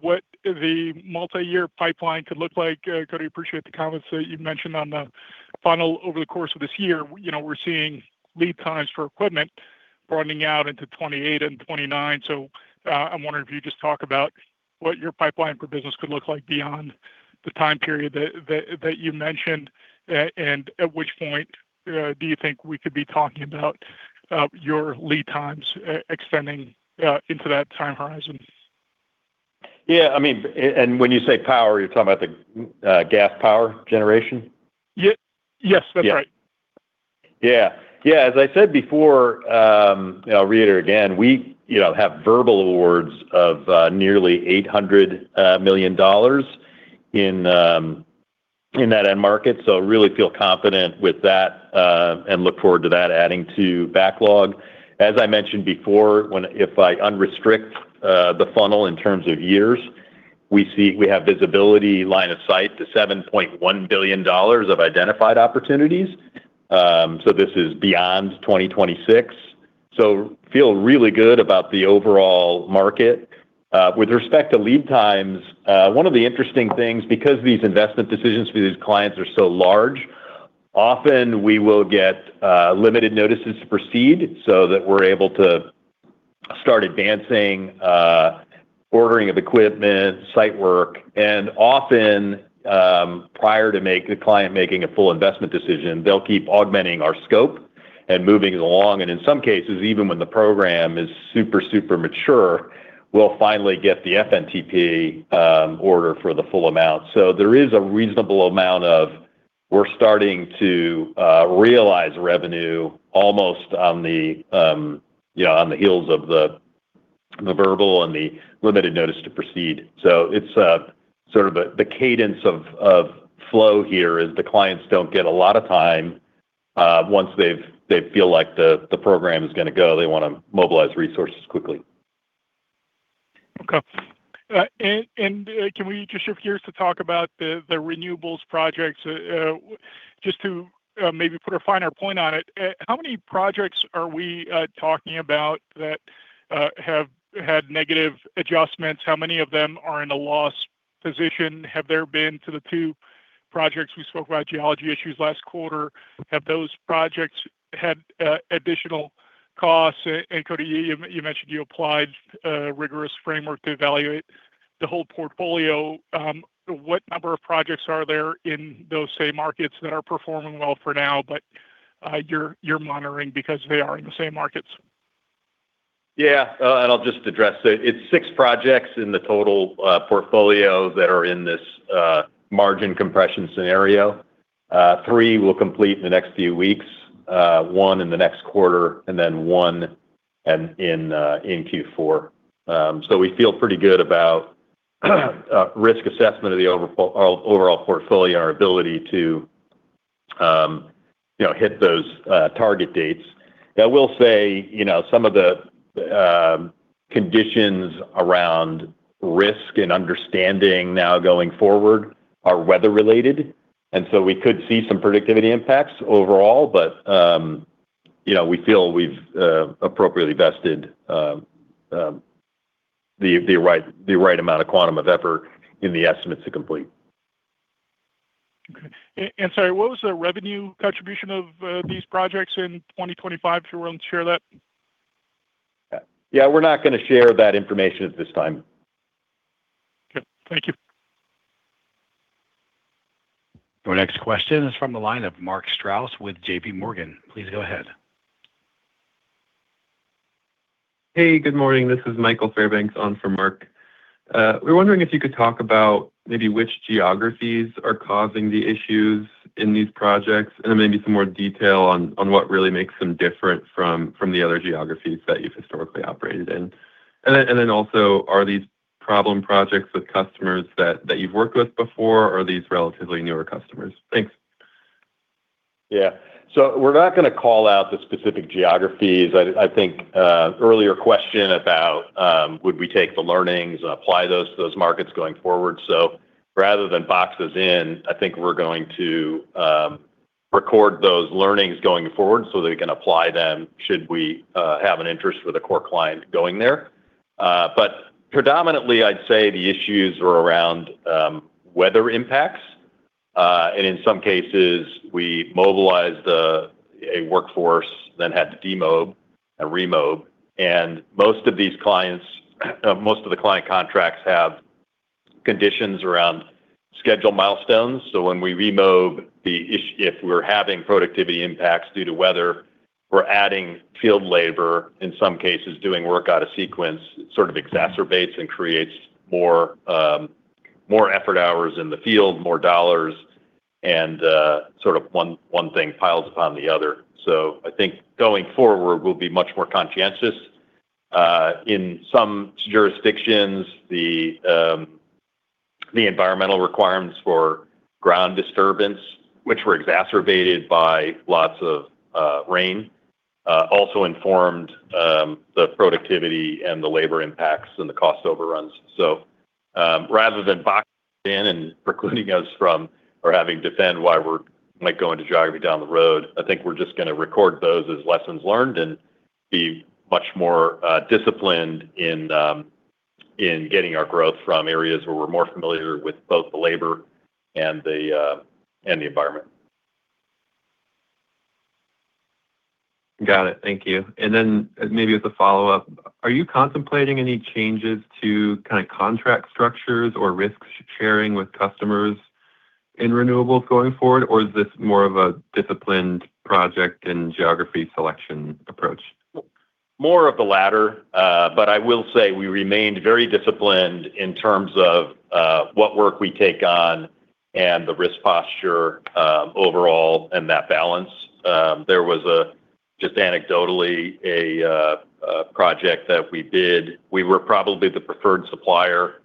what the multi-year pipeline could look like? Koti, appreciate the comments that you've mentioned on the funnel over the course of this year. You know, we're seeing lead times for equipment running out into 2028 and 2029. I'm wondering if you could just talk about what your pipeline for business could look like beyond the time period that you mentioned. At which point, do you think we could be talking about your lead times extending into that time horizon? Yeah, I mean, when you say power, you're talking about the gas power generation? Yes, that's right. As I said before, I'll reiterate again, we, you know, have verbal awards of nearly $800 million in that end market. Really feel confident with that and look forward to that adding to backlog. As I mentioned before, if I unrestrict the funnel in terms of years, we have visibility line of sight to $7.1 billion of identified opportunities. This is beyond 2026. Feel really good about the overall market. With respect to lead times, one of the interesting things, because these investment decisions for these clients are so large, often we will get limited notices to proceed so that we're able to start advancing, ordering of equipment, site work. Often, prior to the client making a full investment decision, they'll keep augmenting our scope and moving it along. In some cases, even when the program is super mature, we'll finally get the FNTP order for the full amount. There is a reasonable amount of we're starting to realize revenue almost on the, you know, on the heels of the verbal and the limited notice to proceed. It's the cadence of flow here is the clients don't get a lot of time once they feel like the program is gonna go, they wanna mobilize resources quickly. Okay. Can we just shift gears to talk about the renewables projects? Just to maybe put a finer point on it, how many projects are we talking about that have had negative adjustments? How many of them are in a loss position? Have there been to the two projects we spoke about, geology issues last quarter, have those projects had additional costs? Koti, you mentioned you applied a rigorous framework to evaluate the whole portfolio. What number of projects are there in those same markets that are performing well for now, but you're monitoring because they are in the same markets? I'll just address it. It's six projects in the total portfolio that are in this margin compression scenario. Three will complete in the next few weeks, One in the next quarter, and one in Q4. We feel pretty good about risk assessment of the overall portfolio, our ability to, you know, hit those target dates. I will say, you know, some of the conditions around risk and understanding now going forward are weather-related. We could see some productivity impacts overall. You know, we feel we've appropriately vested the right amount of quantum of effort in the estimates to complete. Okay. Sorry, what was the revenue contribution of these projects in 2025, if you're willing to share that? Yeah, we're not gonna share that information at this time. Okay. Thank you. Our next question is from the line of Mark Strouse with JPMorgan. Please go ahead. Hey, good morning. This is Michael Fairbanks on for Marc. We're wondering if you could talk about maybe which geographies are causing the issues in these projects, and then maybe some more detail on what really makes them different from the other geographies that you've historically operated in. Also, are these problem projects with customers that you've worked with before or are these relatively newer customers? Thanks. We're not gonna call out the specific geographies. I think earlier question about would we take the learnings and apply those to those markets going forward. Rather than box us in, I think we're going to record those learnings going forward so that we can apply them should we have an interest with a core client going there. Predominantly, I'd say the issues are around weather impacts. In some cases, we mobilized a workforce, then had to demob and remob. Most of the client contracts have conditions around schedule milestones. When we remob if we're having productivity impacts due to weather, we're adding field labor, in some cases, doing work out of sequence, sort of exacerbates and creates more effort hours in the field, more dollars, and sort of one thing piles upon the other. I think going forward, we'll be much more conscientious. In some jurisdictions, the environmental requirements for ground disturbance, which were exacerbated by lots of rain, also informed the productivity and the labor impacts and the cost overruns. Rather than boxing in and precluding us from or having to defend why we're, like, going to geography down the road, I think we're just gonna record those as lessons learned and be much more disciplined in getting our growth from areas where we're more familiar with both the labor and the environment. Got it. Thank you. Maybe as a follow-up, are you contemplating any changes to kind of contract structures or risk sharing with customers in renewables going forward? Or is this more of a disciplined project and geography selection approach? More of the latter. But I will say we remained very disciplined in terms of what work we take on and the risk posture, overall and that balance. There was a, just anecdotally, a project that we did. We were probably the preferred supplier,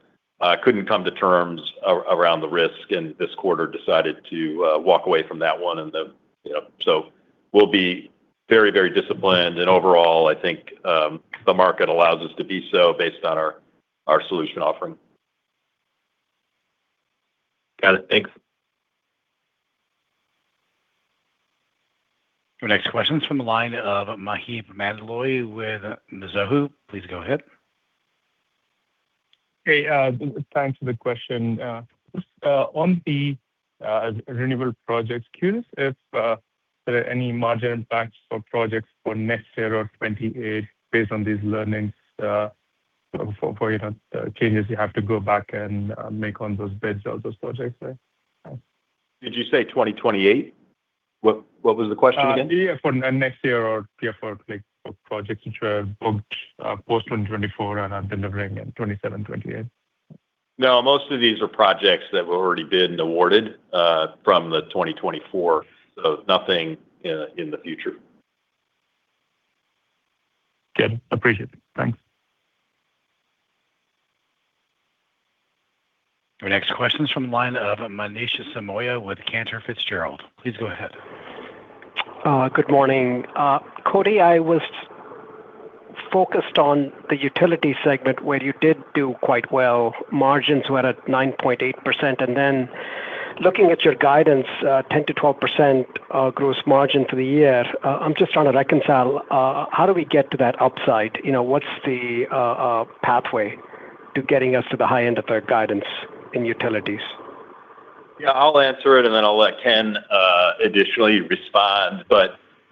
couldn't come to terms around the risk, and this quarter decided to walk away from that one You know. We'll be very, very disciplined. Overall, I think the market allows us to be so based on our solution offering. Got it. Thanks. Your next question is from the line of Maheep Mandloi with Mizuho. Please go ahead. Hey, thanks for the question. On the renewable projects, curious if there are any margin impacts for projects for next year or 2028 based on these learnings, for you to change this, you have to go back and make on those bids or those projects then? Did you say 2028? What was the question again? yeah, for next year or for projects which are booked, post 2024 and are delivering in 2027, 2028. No, most of these are projects that were already bid and awarded, from 2024, so nothing in the future. Good. Appreciate it. Thanks. Our next question is from the line of Manish Somaiya with Cantor Fitzgerald. Please go ahead. Good morning. Koti, I was focused on the Utility segment where you did do quite well. Margins were at 9.8%. Looking at your guidance, 10%-12% gross margin for the year, I'm just trying to reconcile how do we get to that upside? You know, what's the pathway to getting us to the high end of that guidance in utilities? Yeah, I'll answer it, and then I'll let Ken additionally respond.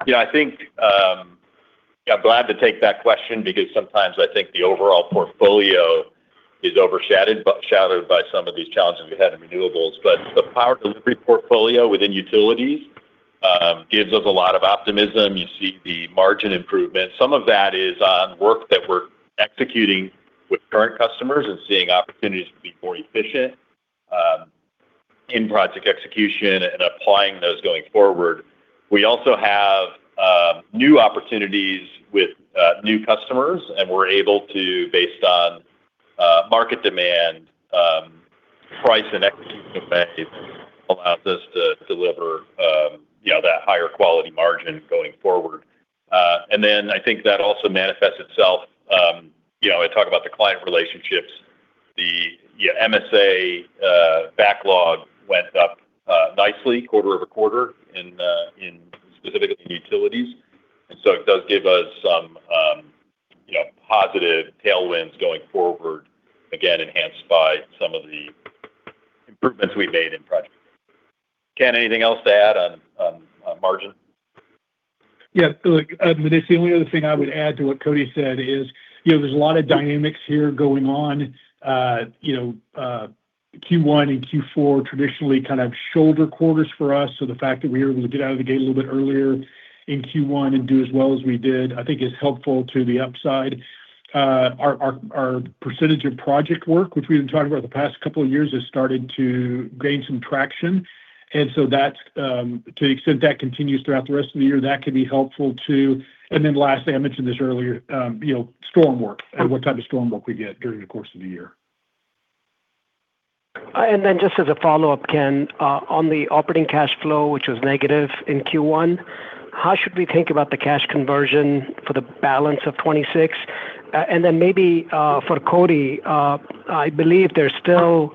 You know, I think, Yeah, I'm glad to take that question because sometimes I think the overall portfolio is overshadowed, shadowed by some of these challenges we had in renewables. The power delivery portfolio within utilities gives us a lot of optimism. You see the margin improvement. Some of that is on work that we're executing with current customers and seeing opportunities to be more efficient in project execution and applying those going forward. We also have new opportunities with new customers, and we're able to, based on market demand, price and execution effects allows us to deliver, you know, that higher quality margin going forward. I think that also manifests itself, you know, I talk about the client relationships. The, yeah, MSA backlog went up nicely quarter-over-quarter in specifically utilities. It does give us some, you know, positive tailwinds going forward, again, enhanced by some of the improvements we've made in project. Ken, anything else to add on? Yeah. Look, Somaiya, the only other thing I would add to what Koti said is, you know, there's a lot of dynamics here going on. You know, Q1 and Q4 traditionally kind of shoulder quarters for us. The fact that we were able to get out of the gate a little bit earlier in Q1 and do as well as we did, I think is helpful to the upside. Our percentage of project work, which we've been talking about the past couple of years, has started to gain some traction. That's to the extent that continues throughout the rest of the year, that can be helpful too. Lastly, I mentioned this earlier, you know, storm work and what type of storm work we get during the course of the year. Just as a follow-up, Ken, on the operating cash flow, which was negative in Q1, how should we think about the cash conversion for the balance of 2026? For Koti, I believe there's still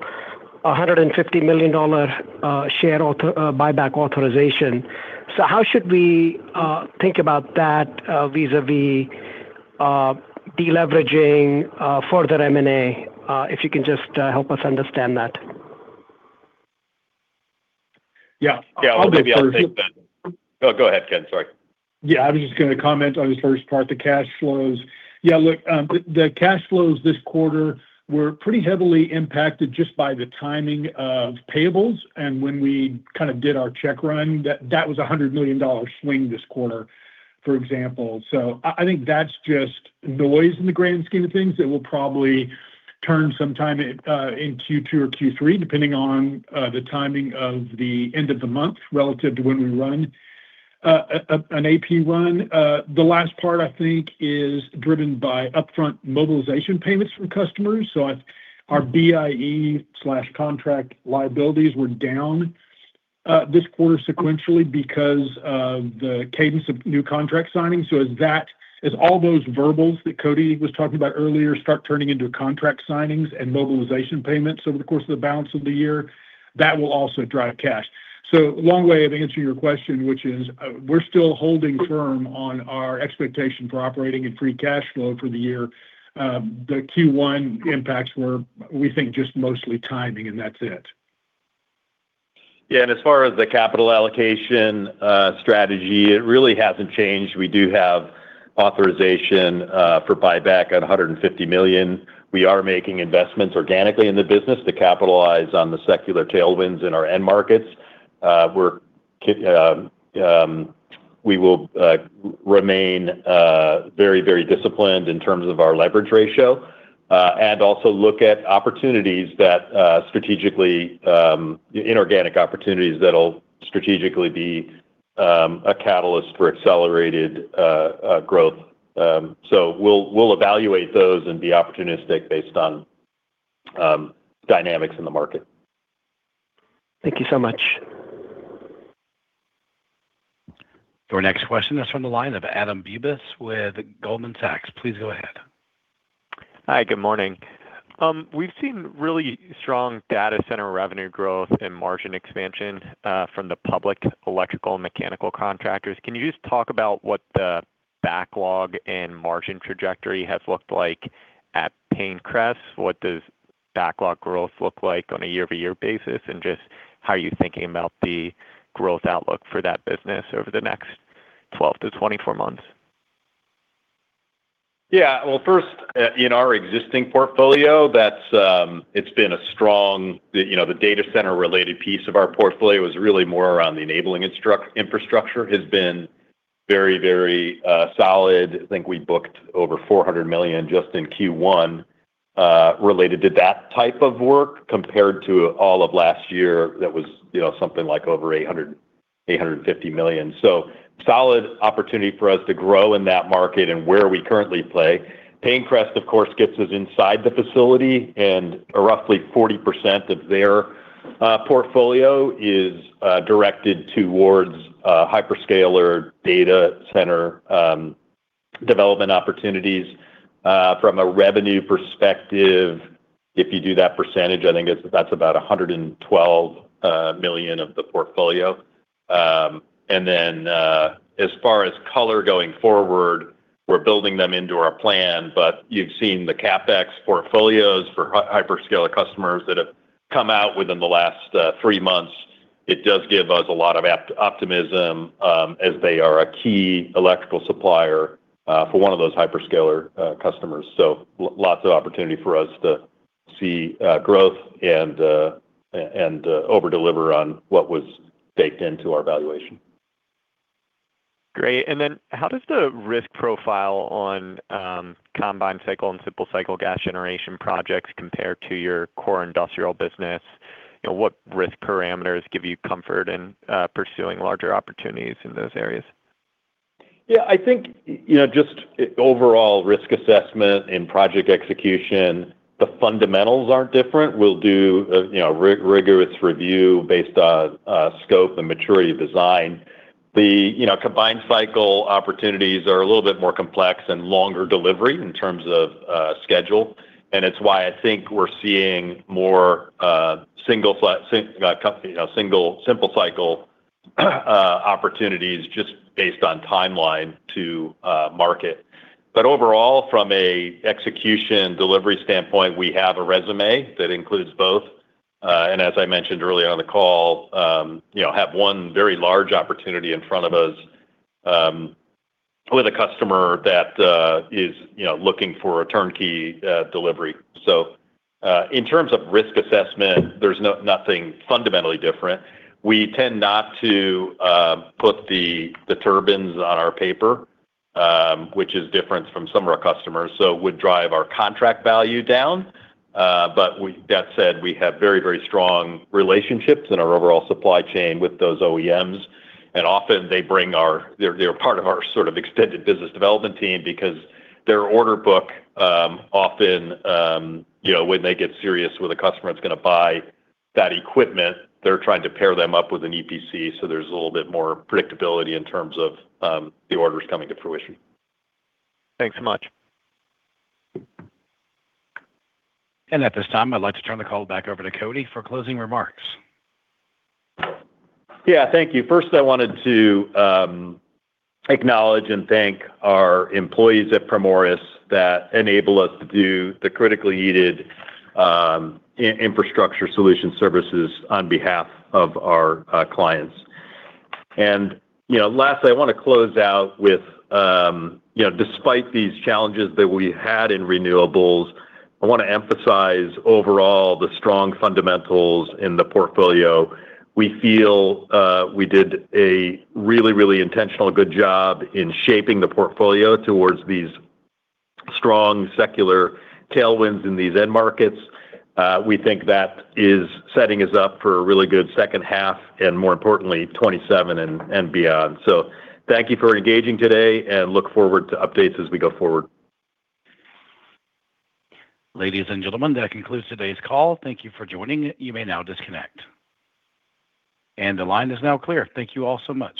a $150 million share auth, buyback authorization. How should we think about that vis-a-vis deleveraging, further M&A, if you can just help us understand that? Yeah. Yeah. Well, maybe I'll take that. Oh, go ahead, Ken. Sorry. Yeah, I was just gonna comment on the first part, the cash flows. Yeah, look, the cash flows this quarter were pretty heavily impacted just by the timing of payables. When we kind of did our check run, that was a $100 million swing this quarter, for example. I think that's just noise in the grand scheme of things that will probably turn some time in Q2 or Q3, depending on the timing of the end of the month relative to when we run an AP run. The last part I think is driven by upfront mobilization payments from customers. Our BIE/contract liabilities were down this quarter sequentially because of the cadence of new contract signings. As all those verbals that Koti was talking about earlier start turning into contract signings and mobilization payments over the course of the balance of the year, that will also drive cash. Long way of answering your question, which is, we're still holding firm on our expectation for operating and free cash flow for the year. The Q1 impacts were, we think just mostly timing, and that's it. Yeah. As far as the capital allocation strategy, it really hasn't changed. We do have authorization for buyback at $150 million. We are making investments organically in the business to capitalize on the secular tailwinds in our end markets. We will remain very disciplined in terms of our leverage ratio. Also look at opportunities that strategically, inorganic opportunities that'll strategically be a catalyst for accelerated growth. We'll evaluate those and be opportunistic based on dynamics in the market. Thank you so much. Your next question is from the line of Adam Bubes with Goldman Sachs. Please go ahead. Hi, good morning. We've seen really strong data center revenue growth and margin expansion from the public electrical and mechanical contractors. Can you just talk about what the backlog and margin trajectory has looked like at PayneCrest? What does backlog growth look like on a year-over-year basis? Just how are you thinking about the growth outlook for that business over the next 12-24 months? Yeah. Well, first, in our existing portfolio, it's been a strong You know, the data center related piece of our portfolio is really more around the enabling infrastructure has been very, very solid. I think we booked over $400 million just in Q1 related to that type of work compared to all of last year that was, you know, something like over $800 million-$850 million. Solid opportunity for us to grow in that market and where we currently play. PayneCrest, of course, gets us inside the facility, and roughly 40% of their portfolio is directed towards hyperscaler data center development opportunities. From a revenue perspective, if you do that percentage, I think it's, that's about $112 million of the portfolio. As far as color going forward, we're building them into our plan. You've seen the CapEx portfolios for hyperscaler customers that have come out within the last three months. It does give us a lot of optimism, as they are a key electrical supplier, for one of those hyperscaler customers. Lots of opportunity for us to see growth and over-deliver on what was baked into our valuation. Great. How does the risk profile on combined cycle and simple cycle gas generation projects compare to your core industrial business? You know, what risk parameters give you comfort in pursuing larger opportunities in those areas? I think, you know, just overall risk assessment and project execution, the fundamentals aren't different. We'll do, you know, rigorous review based on scope and maturity of design. You know, combined cycle opportunities are a little bit more complex and longer delivery in terms of schedule. It's why I think we're seeing more single simple cycle opportunities just based on timeline to market. Overall, from a execution delivery standpoint, we have a resume that includes both. As I mentioned earlier on the call, you know, have one very large opportunity in front of us, with a customer that is, you know, looking for a turnkey delivery. In terms of risk assessment, there's nothing fundamentally different. We tend not to put the turbines on our paper, which is different from some of our customers, so would drive our contract value down. That said, we have very strong relationships in our overall supply chain with those OEMs, and often they're part of our sort of extended business development team because their order book, often, you know, when they get serious with a customer that's gonna buy that equipment, they're trying to pair them up with an EPC, so there's a little bit more predictability in terms of the orders coming to fruition. Thanks so much. At this time, I'd like to turn the call back over to Koti for closing remarks. Thank you. First, I wanted to acknowledge and thank our employees at Primoris that enable us to do the critically needed infrastructure solution services on behalf of our clients. You know, lastly, I wanna close out with, you know, despite these challenges that we had in renewables, I wanna emphasize overall the strong fundamentals in the portfolio. We feel we did a really intentional good job in shaping the portfolio towards these strong secular tailwinds in these end markets. We think that is setting us up for a really good second half and more importantly, 2027 and beyond. Thank you for engaging today and look forward to updates as we go forward. Ladies and gentlemen, that concludes today's call. Thank you for joining. You may now disconnect. The line is now clear. Thank you all so much